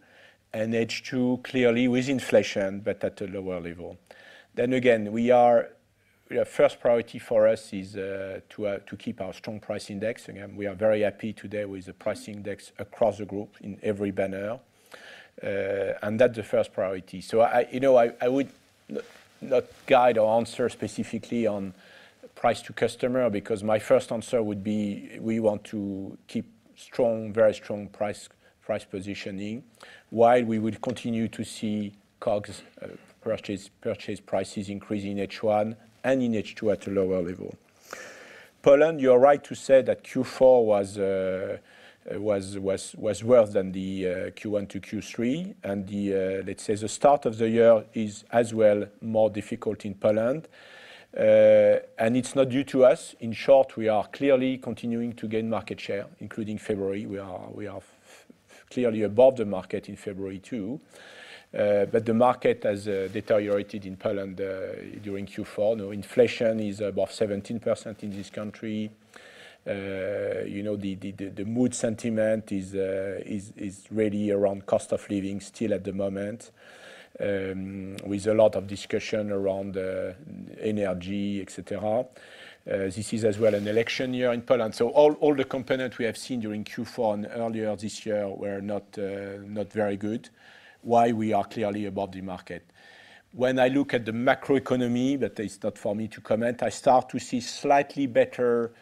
and H2 clearly with inflation but at a lower level. Again, our first priority for us is to keep our strong price index. Again, we are very happy today with the price index across the group in every banner. That's the first priority. I, you know, I would not guide or answer specifically on price to customer because my first answer would be we want to keep strong, very strong price positioning while we would continue to see COGS purchase prices increase in H1 and in H2 at a lower level. Poland, you are right to say that Q4 was worse than the Q1 to Q3, and the, let's say, the start of the year is as well more difficult in Poland. And it's not due to us. In short, we are clearly continuing to gain market share, including February. We are, we are clearly above the market in February too. But the market has deteriorated in Poland during Q4. You know, inflation is above 17% in this country. you know, the mood sentiment is really around cost of living still at the moment, with a lot of discussion around energy, et cetera. This is as well an election year in Poland. All the components we have seen during Q4 and earlier this year were not very good, while we are clearly above the market. When I look at the macro economy, but that is not for me to comment, I start to see slightly better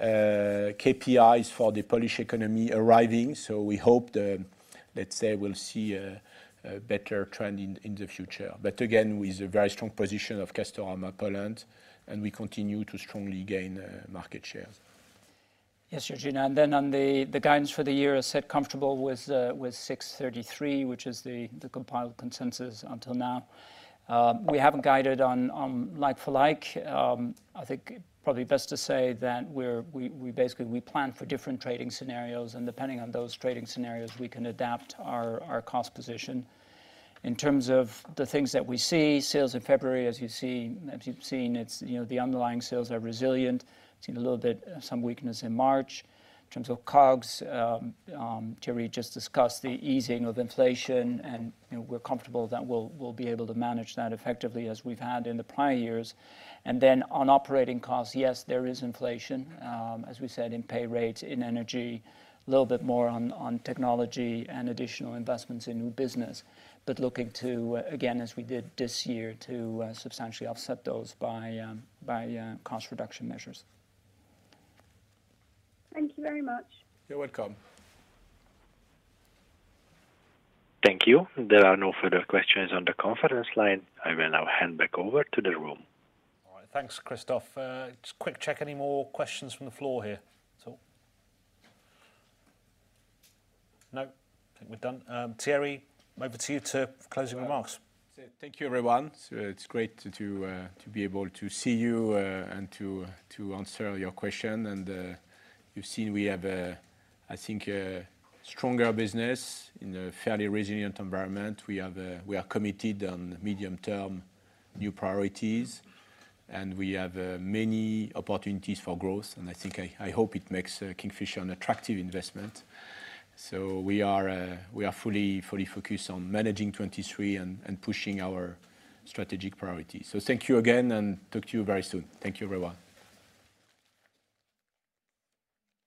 KPIs for the Polish economy arriving. We hope let's say we'll see a better trend in the future. Again, with a very strong position of Castorama Poland, and we continue to strongly gain market shares. Yes, Georgina. Then on the guidance for the year is set comfortable with 633, which is the compiled consensus until now. We haven't guided on like-for-like. I think probably best to say that we basically we plan for different trading scenarios, and depending on those trading scenarios, we can adapt our cost position. In terms of the things that we see, sales in February, as you've seen, it's, you know, the underlying sales are resilient. Seen a little bit some weakness in March. In terms of COGS, Thierry just discussed the easing of inflation and, you know, we'll be able to manage that effectively as we've had in the prior years. On operating costs, yes, there is inflation, as we said, in pay rates, in energy, a little bit more on technology and additional investments in new business. Looking to, again, as we did this year to substantially offset those by cost reduction measures. Thank you very much. You're welcome. Thank you. There are no further questions on the conference line. I will now hand back over to the room. All right. Thanks, Christoph. Just quick check. Any more questions from the floor here at all? No. Think we're done. Thierry, over to you to closing remarks. Thank you, everyone. It's great to be able to see you and to answer your question. You've seen we have a, I think, a stronger business in a fairly resilient environment. We are committed on medium-term new priorities, and we have many opportunities for growth and I think I hope it makes Kingfisher an attractive investment. We are fully focused on managing 23 and pushing our strategic priorities. Thank you again, and talk to you very soon. Thank you, everyone.